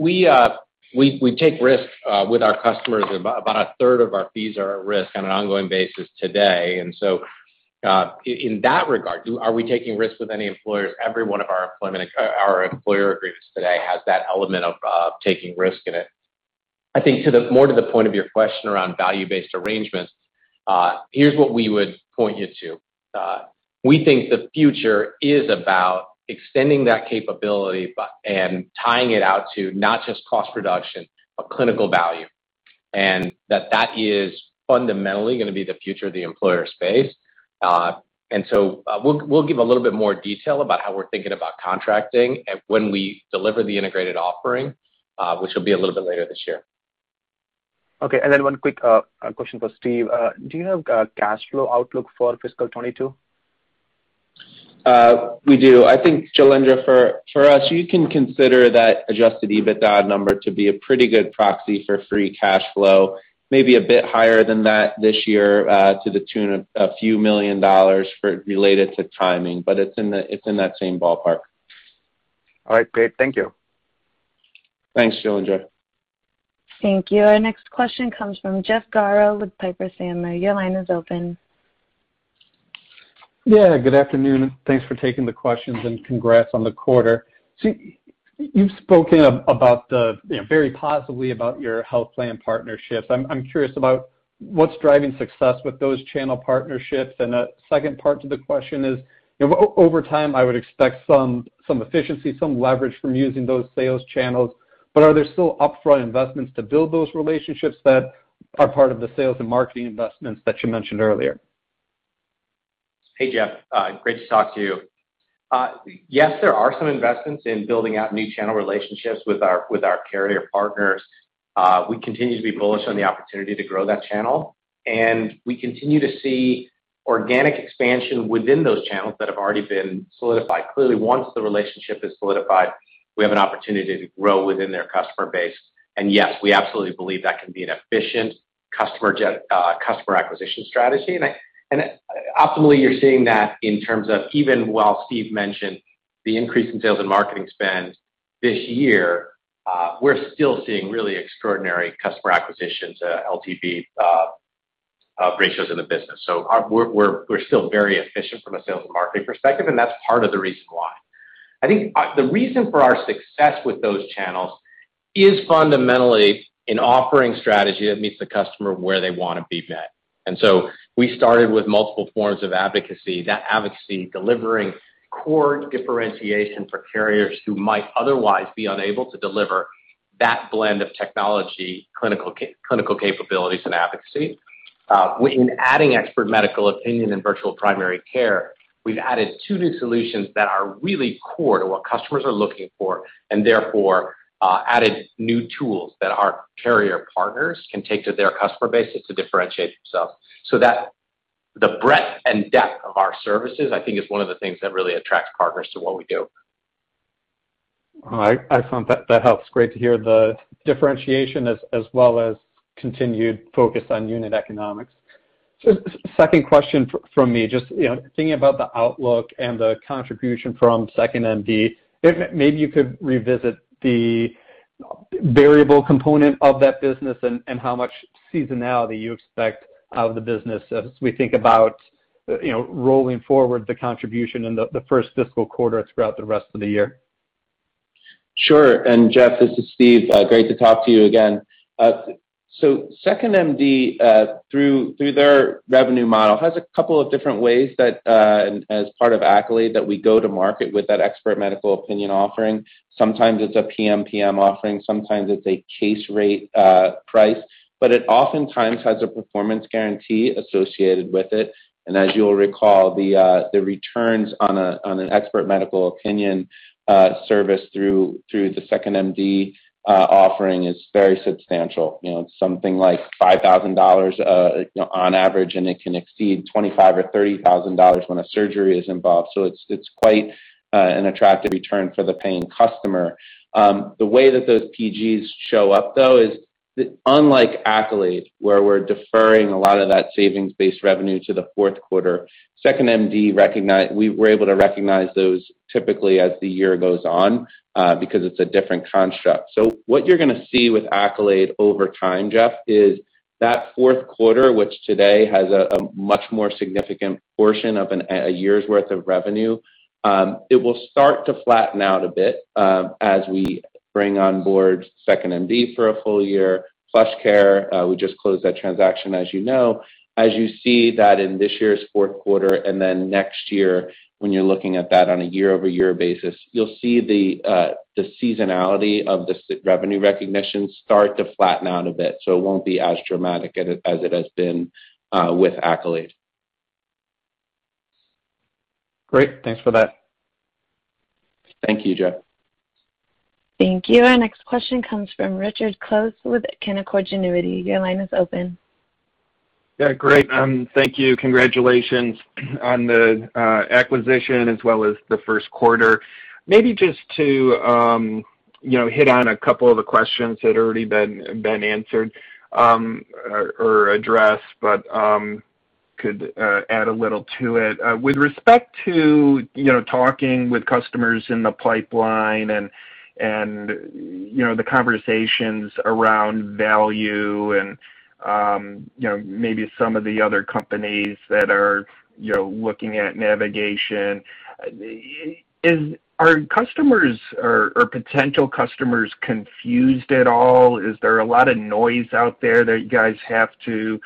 take risks with our customers. About a third of our fees are at risk on an ongoing basis today. In that regard, are we taking risks with any employers? Every one of our employer agreements today has that element of taking risk in it. I think more to the point of your question around value-based arrangements, here's what we would point you to. We think the future is about extending that capability and tying it out to not just cost reduction, but clinical value, and that that is fundamentally going to be the future of the employer space. We'll give a little bit more detail about how we're thinking about contracting and when we deliver the integrated offering, which will be a little bit later this year. Okay. One quick question for Steve. Do you have cash flow outlook for fiscal 2022? We do. I think, Jailendra, for us, you can consider that adjusted EBITDA number to be a pretty good proxy for free cash flow, maybe a bit higher than that this year, to the tune of a few million dollars related to timing. It's in that same ballpark. All right, great. Thank you. Thanks, Jailendra. Thank you. Our next question comes from Jeff Garro with Piper Sandler. Your line is open. Yeah, good afternoon. Thanks for taking the questions and congrats on the quarter. Steve, you've spoken very positively about your health plan partnerships. I'm curious about what's driving success with those channel partnerships. A second part to the question is, over time, I would expect some efficiency, some leverage from using those sales channels, but are there still upfront investments to build those relationships that are part of the sales and marketing investments that you mentioned earlier? Hey, Jeff. Great to talk to you. Yes, there are some investments in building out new channel relationships with our carrier partners. We continue to be bullish on the opportunity to grow that channel, and we continue to see organic expansion within those channels that have already been solidified. Clearly, once the relationship is solidified, we have an opportunity to grow within their customer base. Yes, we absolutely believe that can be an efficient customer acquisition strategy. Optimally, you're seeing that in terms of even while Steve mentioned The increase in sales and marketing spend this year, we're still seeing really extraordinary customer acquisition to LTV ratios in the business. We're still very efficient from a sales and marketing perspective, and that's part of the reason why. I think the reason for our success with those channels is fundamentally an offering strategy that meets the customer where they want to be met. We started with multiple forms of advocacy, that advocacy delivering core differentiation for carriers who might otherwise be unable to deliver that blend of technology, clinical capabilities, and advocacy. In adding expert medical opinion and virtual primary care, we've added two new solutions that are really core to what customers are looking for and therefore added new tools that our carrier partners can take to their customer base to differentiate themselves. The breadth and depth of our services, I think, is one of the things that really attracts partners to what we do. I found that helps. Great to hear the differentiation as well as continued focus on unit economics. Second question from me, just thinking about the outlook and the contribution from 2nd.MD, maybe you could revisit the variable component of that business and how much seasonality you expect out of the business as we think about rolling forward the contribution in the first fiscal quarter throughout the rest of the year. Sure. Jeff, this is Steve. Great to talk to you again. 2nd.MD, through their revenue model, has two different ways that, as part of Accolade, that we go to market with that expert medical opinion offering. Sometimes it's a PMPM offering, sometimes it's a case rate price, but it oftentimes has a Performance Guarantee associated with it. As you'll recall, the returns on an expert medical opinion service through the 2nd.MD offering is very substantial. It's something like $5,000 on average, and it can exceed $25,000 or $30,000 when a surgery is involved. It's quite an attractive return for the paying customer. The way that those PGs show up, though, is unlike Accolade, where we're deferring a lot of that savings-based revenue to the fourth quarter, 2nd.MD recognize, we're able to recognize those typically as the year goes on because it's a different construct. What you're going to see with Accolade over time, Jeff, is that fourth quarter, which today has a much more significant portion of a year's worth of revenue, it will start to flatten out a bit as we bring on board 2nd.MD for a full year. PlushCare, we just closed that transaction, as you know. As you see that in this year's fourth quarter and then next year, when you're looking at that on a year-over-year basis, you'll see the seasonality of the revenue recognition start to flatten out a bit, so it won't be as dramatic as it has been with Accolade. Great. Thanks for that. Thank you, Jeff. Thank you. Our next question comes from Richard Close with Canaccord Genuity. Your line is open. Yeah, great. Thank you. Congratulations on the acquisition as well as the first quarter. Maybe just to hit on a couple of the questions that have already been answered or addressed, but could add a little to it. With respect to talking with customers in the pipeline and the conversations around value and maybe some of the other companies that are looking at navigation, are potential customers confused at all? Is there a lot of noise out there that you guys have to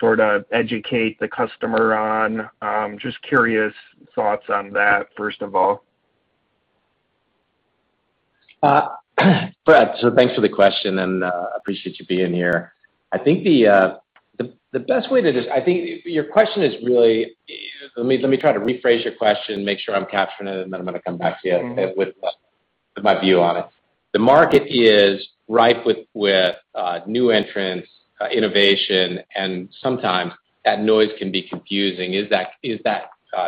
sort of educate the customer on? Just curious thoughts on that, first of all? Thanks for the question, and appreciate you being here. I think your question is really, let me try to rephrase your question, make sure I'm capturing it, and then I'm going to come back to you with my view on it. The market is ripe with new entrants, innovation, and sometimes that noise can be confusing. Is that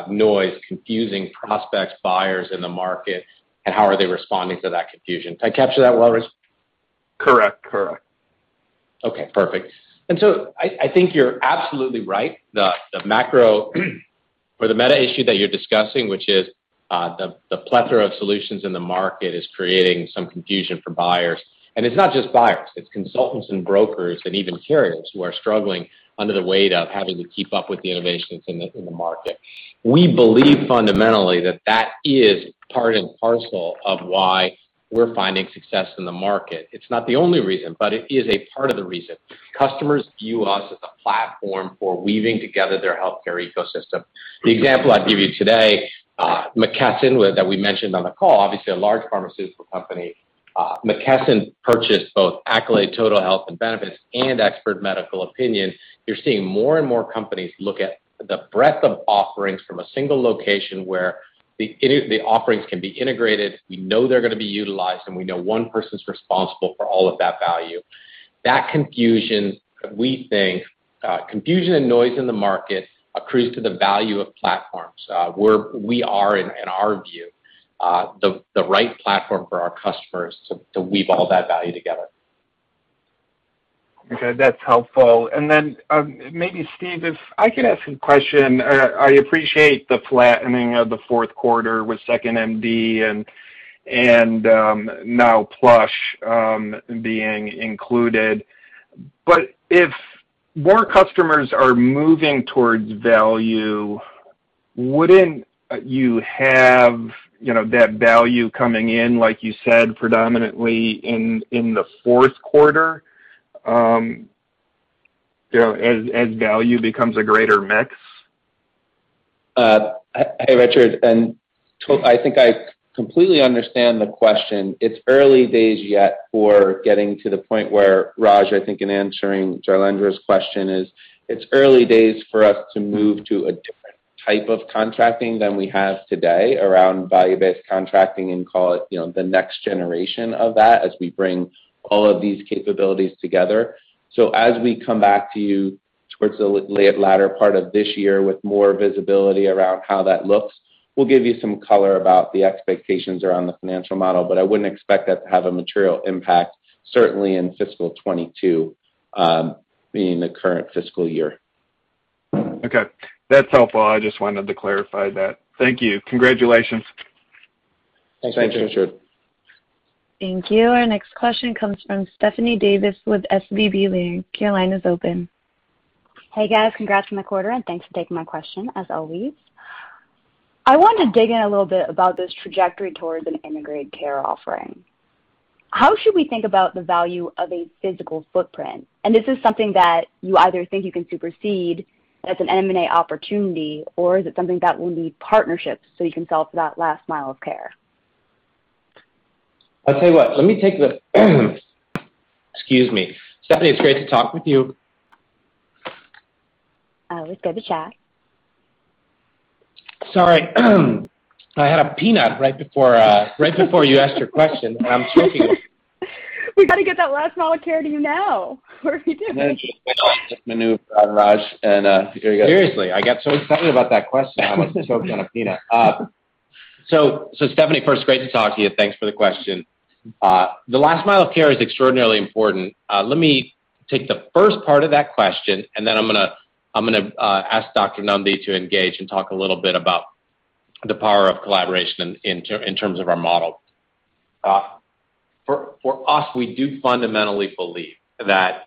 noise confusing prospects, buyers in the market? How are they responding to that confusion? Did I capture that well, Richard? Correct. Okay, perfect. I think you're absolutely right. The macro or the meta issue that you're discussing, which is the plethora of solutions in the market is creating some confusion for buyers. It's not just buyers, it's consultants and brokers and even carriers who are struggling under the weight of having to keep up with the innovations in the market. We believe fundamentally that that is part and parcel of why we're finding success in the market. It's not the only reason, but it is a part of the reason. Customers view us as a platform for weaving together their healthcare ecosystem. The example I'll give you today, McKesson, that we mentioned on the call, obviously a large pharmaceutical company. McKesson purchased both Accolade Total Health and Benefits and expert medical opinion. You're seeing more and more companies look at the breadth of offerings from a single location where the offerings can be integrated. We know they're going to be utilized, and we know one person's responsible for all of that value. That confusion, we think, confusion and noise in the market, accrues to the value of platforms, where we are, in our view, the right platform for our customers to weave all that value together. Okay, that's helpful. Then maybe Steve, if I could ask a question. I appreciate the flattening of the fourth quarter with 2nd.MD and now Plush being included. If more customers are moving towards value, wouldn't you have that value coming in, like you said, predominantly in the fourth quarter, as value becomes a greater mix? Hey, Richard, I think I completely understand the question. It's early days yet for getting to the point where Raj, I think in answering Jailendra's question, is it's early days for us to move to a different type of contracting than we have today around value-based contracting and call it the next generation of that as we bring all of these capabilities together. As we come back to you towards the latter part of this year with more visibility around how that looks, we'll give you some color about the expectations around the financial model, but I wouldn't expect that to have a material impact, certainly in fiscal 2022, being the current fiscal year. Okay. That's helpful. I just wanted to clarify that. Thank you. Congratulations. Thanks, Richard. Thank you. Our next question comes from Stephanie Davis with SVB Leerink. Your line is open. Hey, guys. Congrats on the quarter, and thanks for taking my question as always. I want to dig in a little bit about this trajectory towards an integrated care offering. How should we think about the value of a physical footprint? Is this something that you either think you can supersede as an M&A opportunity, or is it something that will need partnerships so you can solve for that last mile of care? I'll tell you what. Let me take this. Excuse me. Stephanie, great to talk with you. Always good to chat. Sorry. I had a peanut right before you asked your question, and I'm choking. We got to get that last mile of care to you now. Seriously, I got so excited about that question, I almost choked on a peanut. Stephanie, first, great to talk to you. Thanks for the question. The last mile of care is extraordinarily important. Let me take the first part of that question, and then I'm going to ask Dr. Nundy to engage and talk a little bit about the power of collaboration in terms of our model. For us, we do fundamentally believe that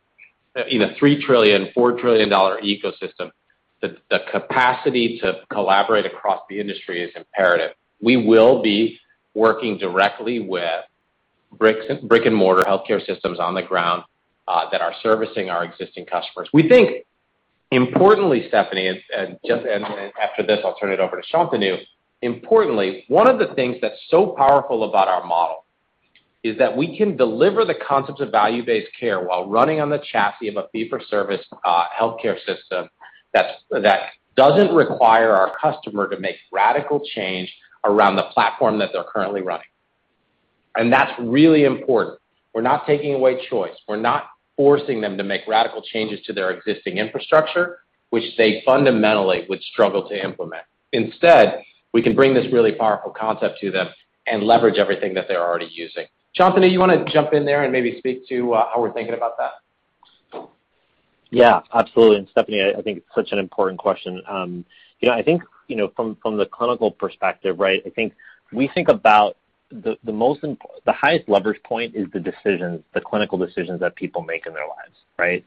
in a $3 trillion, $4 trillion ecosystem, the capacity to collaborate across the industry is imperative. We will be working directly with brick and mortar healthcare systems on the ground that are servicing our existing customers. We think importantly, Stephanie, and after this, I'll turn it over to Shantanu. Importantly, one of the things that's so powerful about our model is that we can deliver the concept of value-based care while running on the chassis of a fee-for-service healthcare system that doesn't require our customer to make radical change around the platform that they're currently running. That's really important. We're not taking away choice. We're not forcing them to make radical changes to their existing infrastructure, which they fundamentally would struggle to implement. Instead, we can bring this really powerful concept to them and leverage everything that they're already using. Shantanu, do you want to jump in there and maybe speak to how we're thinking about that? Yeah, absolutely. Stephanie, I think it's such an important question. I think from the clinical perspective, I think we think about the highest leverage point is the decisions, the clinical decisions that people make in their lives, right?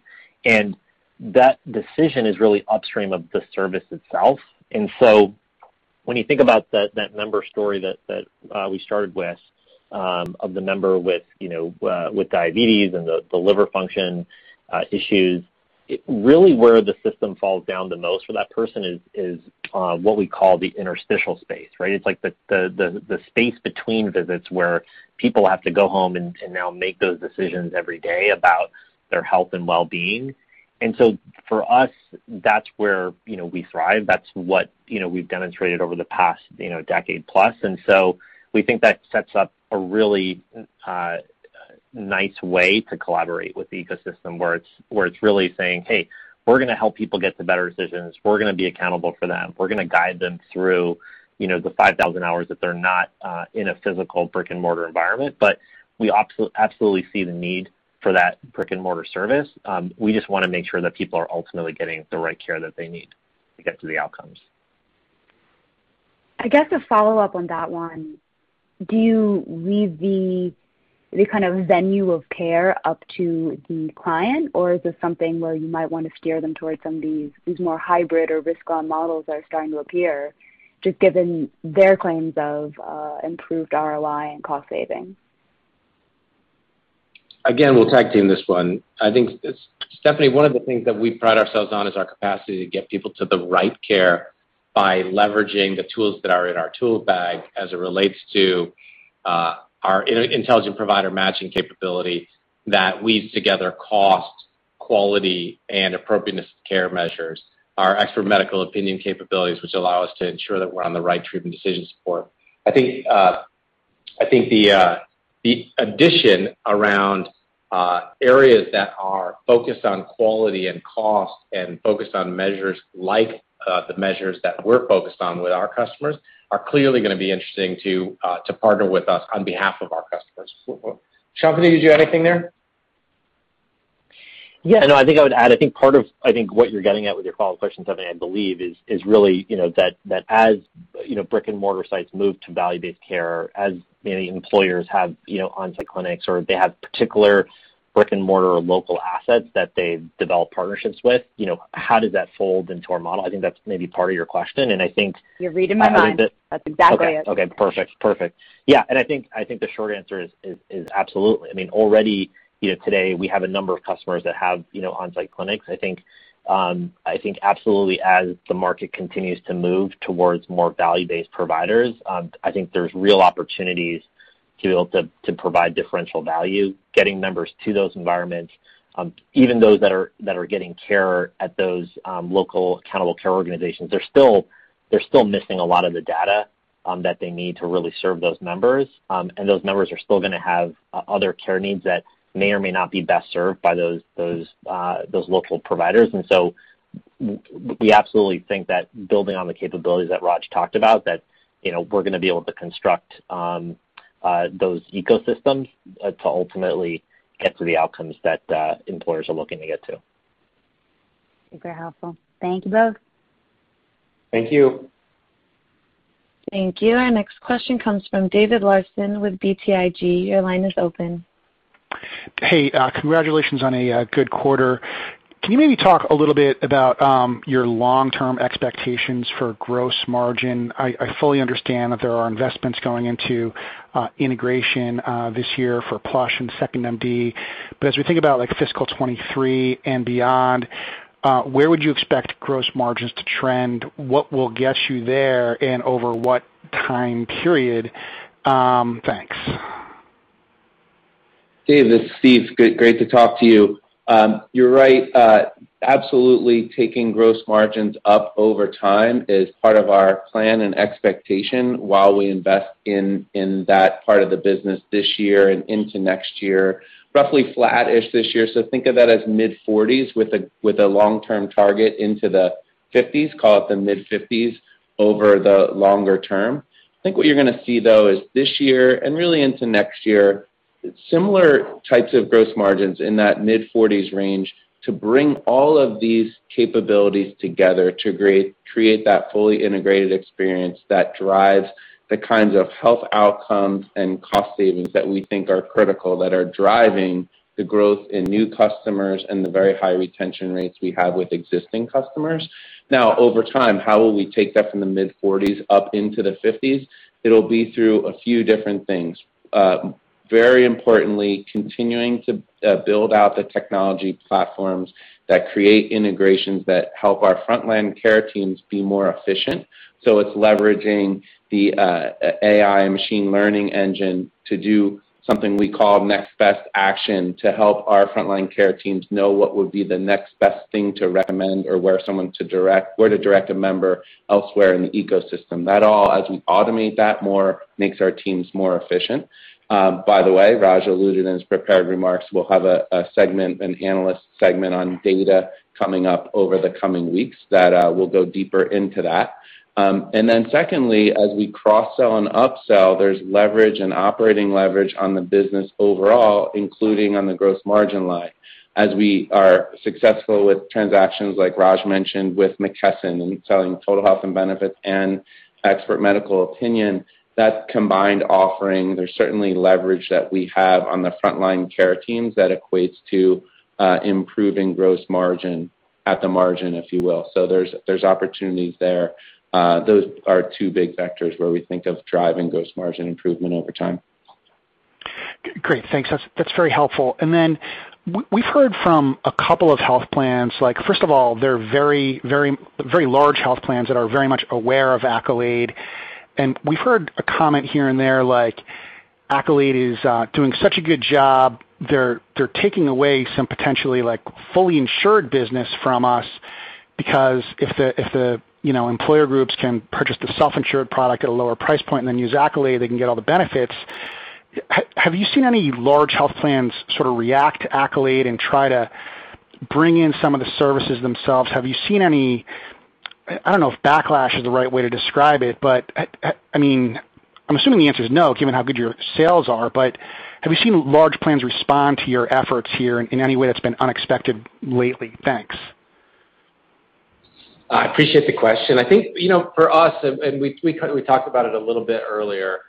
That decision is really upstream of the service itself. When you think about that member story that we started with, of the member with diabetes and the liver function issues, really where the system falls down the most for that person is what we call the interstitial space, right? It's like the space between visits where people have to go home and now make those decisions every day about their health and wellbeing. For us, that's where we thrive. That's what we've demonstrated over the past decade plus. We think that sets up a really nice way to collaborate with the ecosystem where it's really saying, "Hey, we're going to help people get to better decisions. We're going to be accountable for them. We're going to guide them through the 5,000 hours that they're not in a physical brick and mortar environment." But we absolutely see the need for that brick and mortar service. We just want to make sure that people are ultimately getting the right care that they need to get to the outcomes. I guess a follow-up on that one, do you leave the kind of venue of care up to the client, or is this something where you might want to steer them towards some of these more hybrid or risk-on models that are starting to appear, just given their claims of improved ROI and cost savings? Again, we'll tag team this one. I think, Stephanie, one of the things that we pride ourselves on is our capacity to get people to the right care by leveraging the tools that are in our tool bag as it relates to our Intelligent Provider Matching capability that weaves together cost, quality, and appropriateness of care measures. Our expert medical opinion capabilities, which allow us to ensure that we're on the right treatment decision support. I think the addition around areas that are focused on quality and cost and focused on measures like the measures that we're focused on with our customers are clearly going to be interesting to partner with us on behalf of our customers. Shantanu, did you have anything there? Yeah, I think I would add, part of what you're getting at with your follow-up question, Stephanie, I believe, is really that as brick and mortar sites move to value-based care, as employers have on-site clinics or if they have particular brick and mortar local assets that they've developed partnerships with, how does that fold into our model? I think that's maybe part of your question. You read my mind. That's exactly it. Okay, perfect. Yeah, I think the short answer is absolutely. Already today, we have a number of customers that have on-site clinics. I think absolutely as the market continues to move towards more value-based providers, I think there's real opportunities to be able to provide differential value, getting members to those environments. Even those that are getting care at those local accountable care organizations, they're still missing a lot of the data that they need to really serve those members. Those members are still going to have other care needs that may or may not be best served by those local providers. We absolutely think that building on the capabilities that Raj talked about, that we're going to be able to construct those ecosystems to ultimately get to the outcomes that employers are looking to get to. Super helpful. Thank you, both. Thank you. Thank you. Our next question comes from David Larsen with BTIG. Your line is open. Hey, congratulations on a good quarter. Can you maybe talk a little bit about your long-term expectations for gross margin? I fully understand that there are investments going into integration this year for Plush and 2nd.MD. As we think about fiscal 2023 and beyond, where would you expect gross margins to trend? What will get you there, and over what time period? Thanks. David, this is Steve, it's great to talk to you. You're right, absolutely taking gross margins up over time is part of our plan and expectation while we invest in that part of the business this year and into next year. Roughly flat-ish this year, so think of that as mid-40%s with a long-term target into the 50%s, call it the mid-50%s, over the longer term. I think what you're going to see, though, is this year and really into next year, similar types of gross margins in that mid-40%s range to bring all of these capabilities together to create that fully integrated experience that drives the kinds of health outcomes and cost savings that we think are critical, that are driving the growth in new customers and the very high retention rates we have with existing customers. Over time, how will we take that from the mid-40%s up into the 50%s? It'll be through a few different things. Very importantly, continuing to build out the technology platforms that create integrations that help our frontline care teams be more efficient. It's leveraging the AI machine learning engine to do something we call next best action to help our frontline care teams know what would be the next best thing to recommend or where to direct a member elsewhere in the ecosystem. That all, as we automate that more, makes our teams more efficient. By the way, Raj alluded in his prepared remarks, we'll have a segment, an analyst segment on data coming up over the coming weeks that will go deeper into that. Secondly, as we cross-sell and up-sell, there's leverage and operating leverage on the business overall, including on the gross margin line, as we are successful with transactions like Raj mentioned with McKesson and selling Total Health and Benefits and expert medical opinion. That combined offering, there's certainly leverage that we have on the frontline care teams that equates to improving gross margin at the margin, if you will. There's opportunities there. Those are two big vectors where we think of driving gross margin improvement over time. Great. Thanks. That's very helpful. We've heard from a couple of health plans, first of all, they're very large health plans that are very much aware of Accolade. We've heard a comment here and there like, Accolade is doing such a good job, they're taking away some potentially fully insured business from us because if the employer groups can purchase the self-insured product at a lower price point than use Accolade, they can get all the benefits. Have you seen any large health plans react to Accolade and try to bring in some of the services themselves? Have you seen any, I don't know if backlash is the right way to describe it, but I'm assuming the answer is no given how good your sales are. Have you seen large plans respond to your efforts here in any way that's been unexpected lately? Thanks. I appreciate the question. I think, for us, and we talked about it a little bit earlier,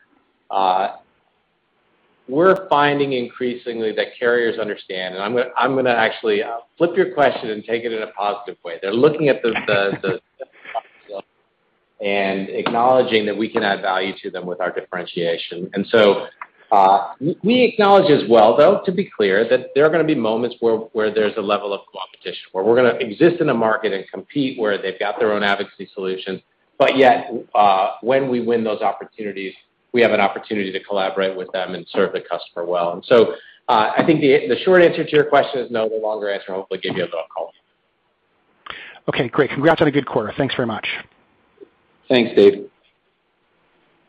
we're finding increasingly that carriers understand. I'm going to actually flip your question and take it in a positive way. They're looking at the top line and acknowledging that we can add value to them with our differentiation. We acknowledge as well, though, to be clear, that there are going to be moments where there's a level of competition, where we're going to exist in a market and compete where they've got their own advocacy solutions. When we win those opportunities, we have an opportunity to collaborate with them and serve the customer well. I think the short answer to your question is no. The longer answer, hopefully, give you a phone call. Okay, great. Congrats on a good quarter. Thanks very much. Thanks, David.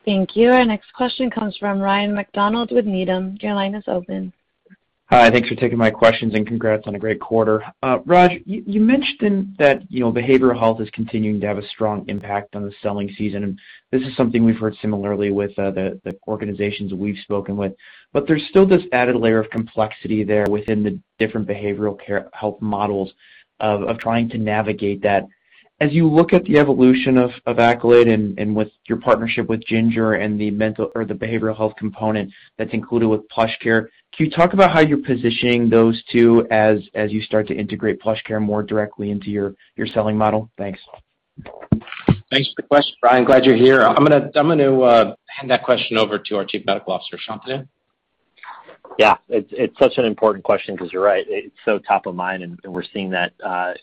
Thank you. Our next question comes from Ryan MacDonald with Needham. Your line is open. Hi. Thanks for taking my questions, and congrats on a great quarter. Raj, you mentioned that behavioral health is continuing to have a strong impact on the selling season, and this is something we've heard similarly with the organizations we've spoken with. There's still this added layer of complexity there within the different behavioral care health models of trying to navigate that. As you look at the evolution of Accolade and with your partnership with Ginger and the behavioral health component that's included with PlushCare, can you talk about how you're positioning those two as you start to integrate PlushCare more directly into your selling model? Thanks. Thanks for the question, Ryan. Glad you're here. I'm going to hand that question over to our Chief Medical Officer, Shantanu. Yeah. It's such an important question because you're right. It's so top of mind, and we're seeing that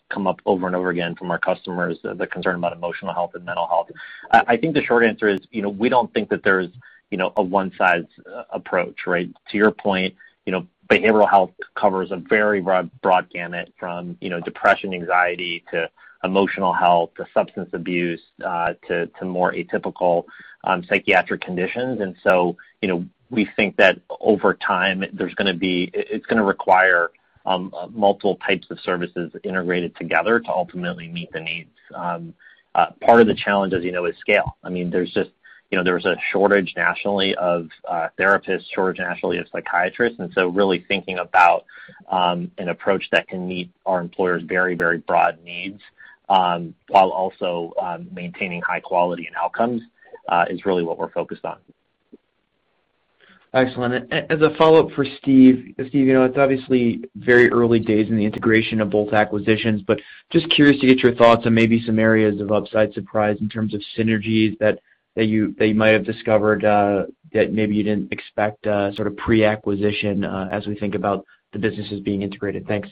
come up over and over again from our customers, the concern about emotional health and mental health. I think the short answer is, we don't think that there's a one-size approach, right? To your point, behavioral health covers a very broad gamut from depression, anxiety, to emotional health, to substance abuse, to more atypical psychiatric conditions. We think that over time, it's going to require multiple types of services integrated together to ultimately meet the needs. Part of the challenge, as you know, is scale. There's a shortage nationally of therapists, shortage nationally of psychiatrists, and so really thinking about an approach that can meet our employers' very broad needs, while also maintaining high quality and outcomes, is really what we're focused on. Excellent. As a follow-up for Steve. Steve, it's obviously very early days in the integration of both acquisitions, but just curious to get your thoughts on maybe some areas of upside surprise in terms of synergies that you might have discovered that maybe you didn't expect pre-acquisition, as we think about the businesses being integrated. Thanks.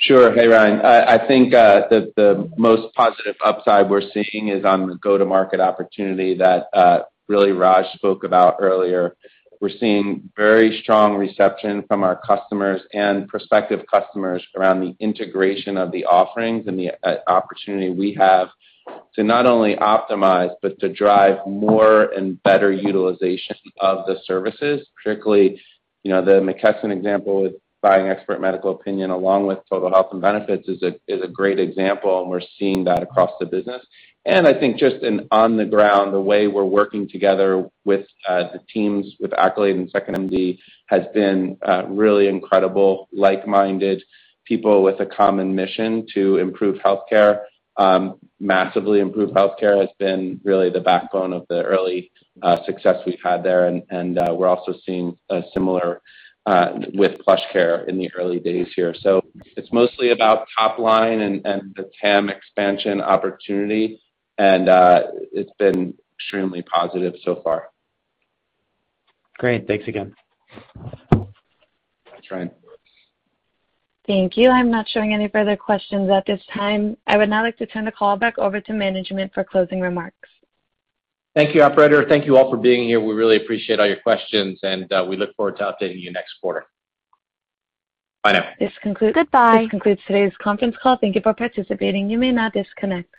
Sure. Hey, Ryan. I think that the most positive upside we're seeing is on the go-to-market opportunity that really Raj spoke about earlier. We're seeing very strong reception from our customers and prospective customers around the integration of the offerings and the opportunity we have to not only optimize, but to drive more and better utilization of the services. Particularly, the McKesson example with buying expert medical opinion along with Total Health and Benefits is a great example. We're seeing that across the business. I think just on the ground, the way we're working together with the teams, with Accolade and 2nd.MD, has been really incredible. Like-minded people with a common mission to improve healthcare, massively improve healthcare, has been really the backbone of the early success we've had there, and we're also seeing a similar with PlushCare in the early days here. It's mostly about top line and the TAM expansion opportunity, and it's been extremely positive so far. Great. Thanks again. Thanks, Ryan. Thank you. I am not showing any further questions at this time. I would now like to turn the call back over to management for closing remarks. Thank you, operator. Thank you all for being here. We really appreciate all your questions, and we look forward to updating you next quarter. Bye now. This concludes- Goodbye. This concludes today's conference call. Thank you for participating. You may now disconnect.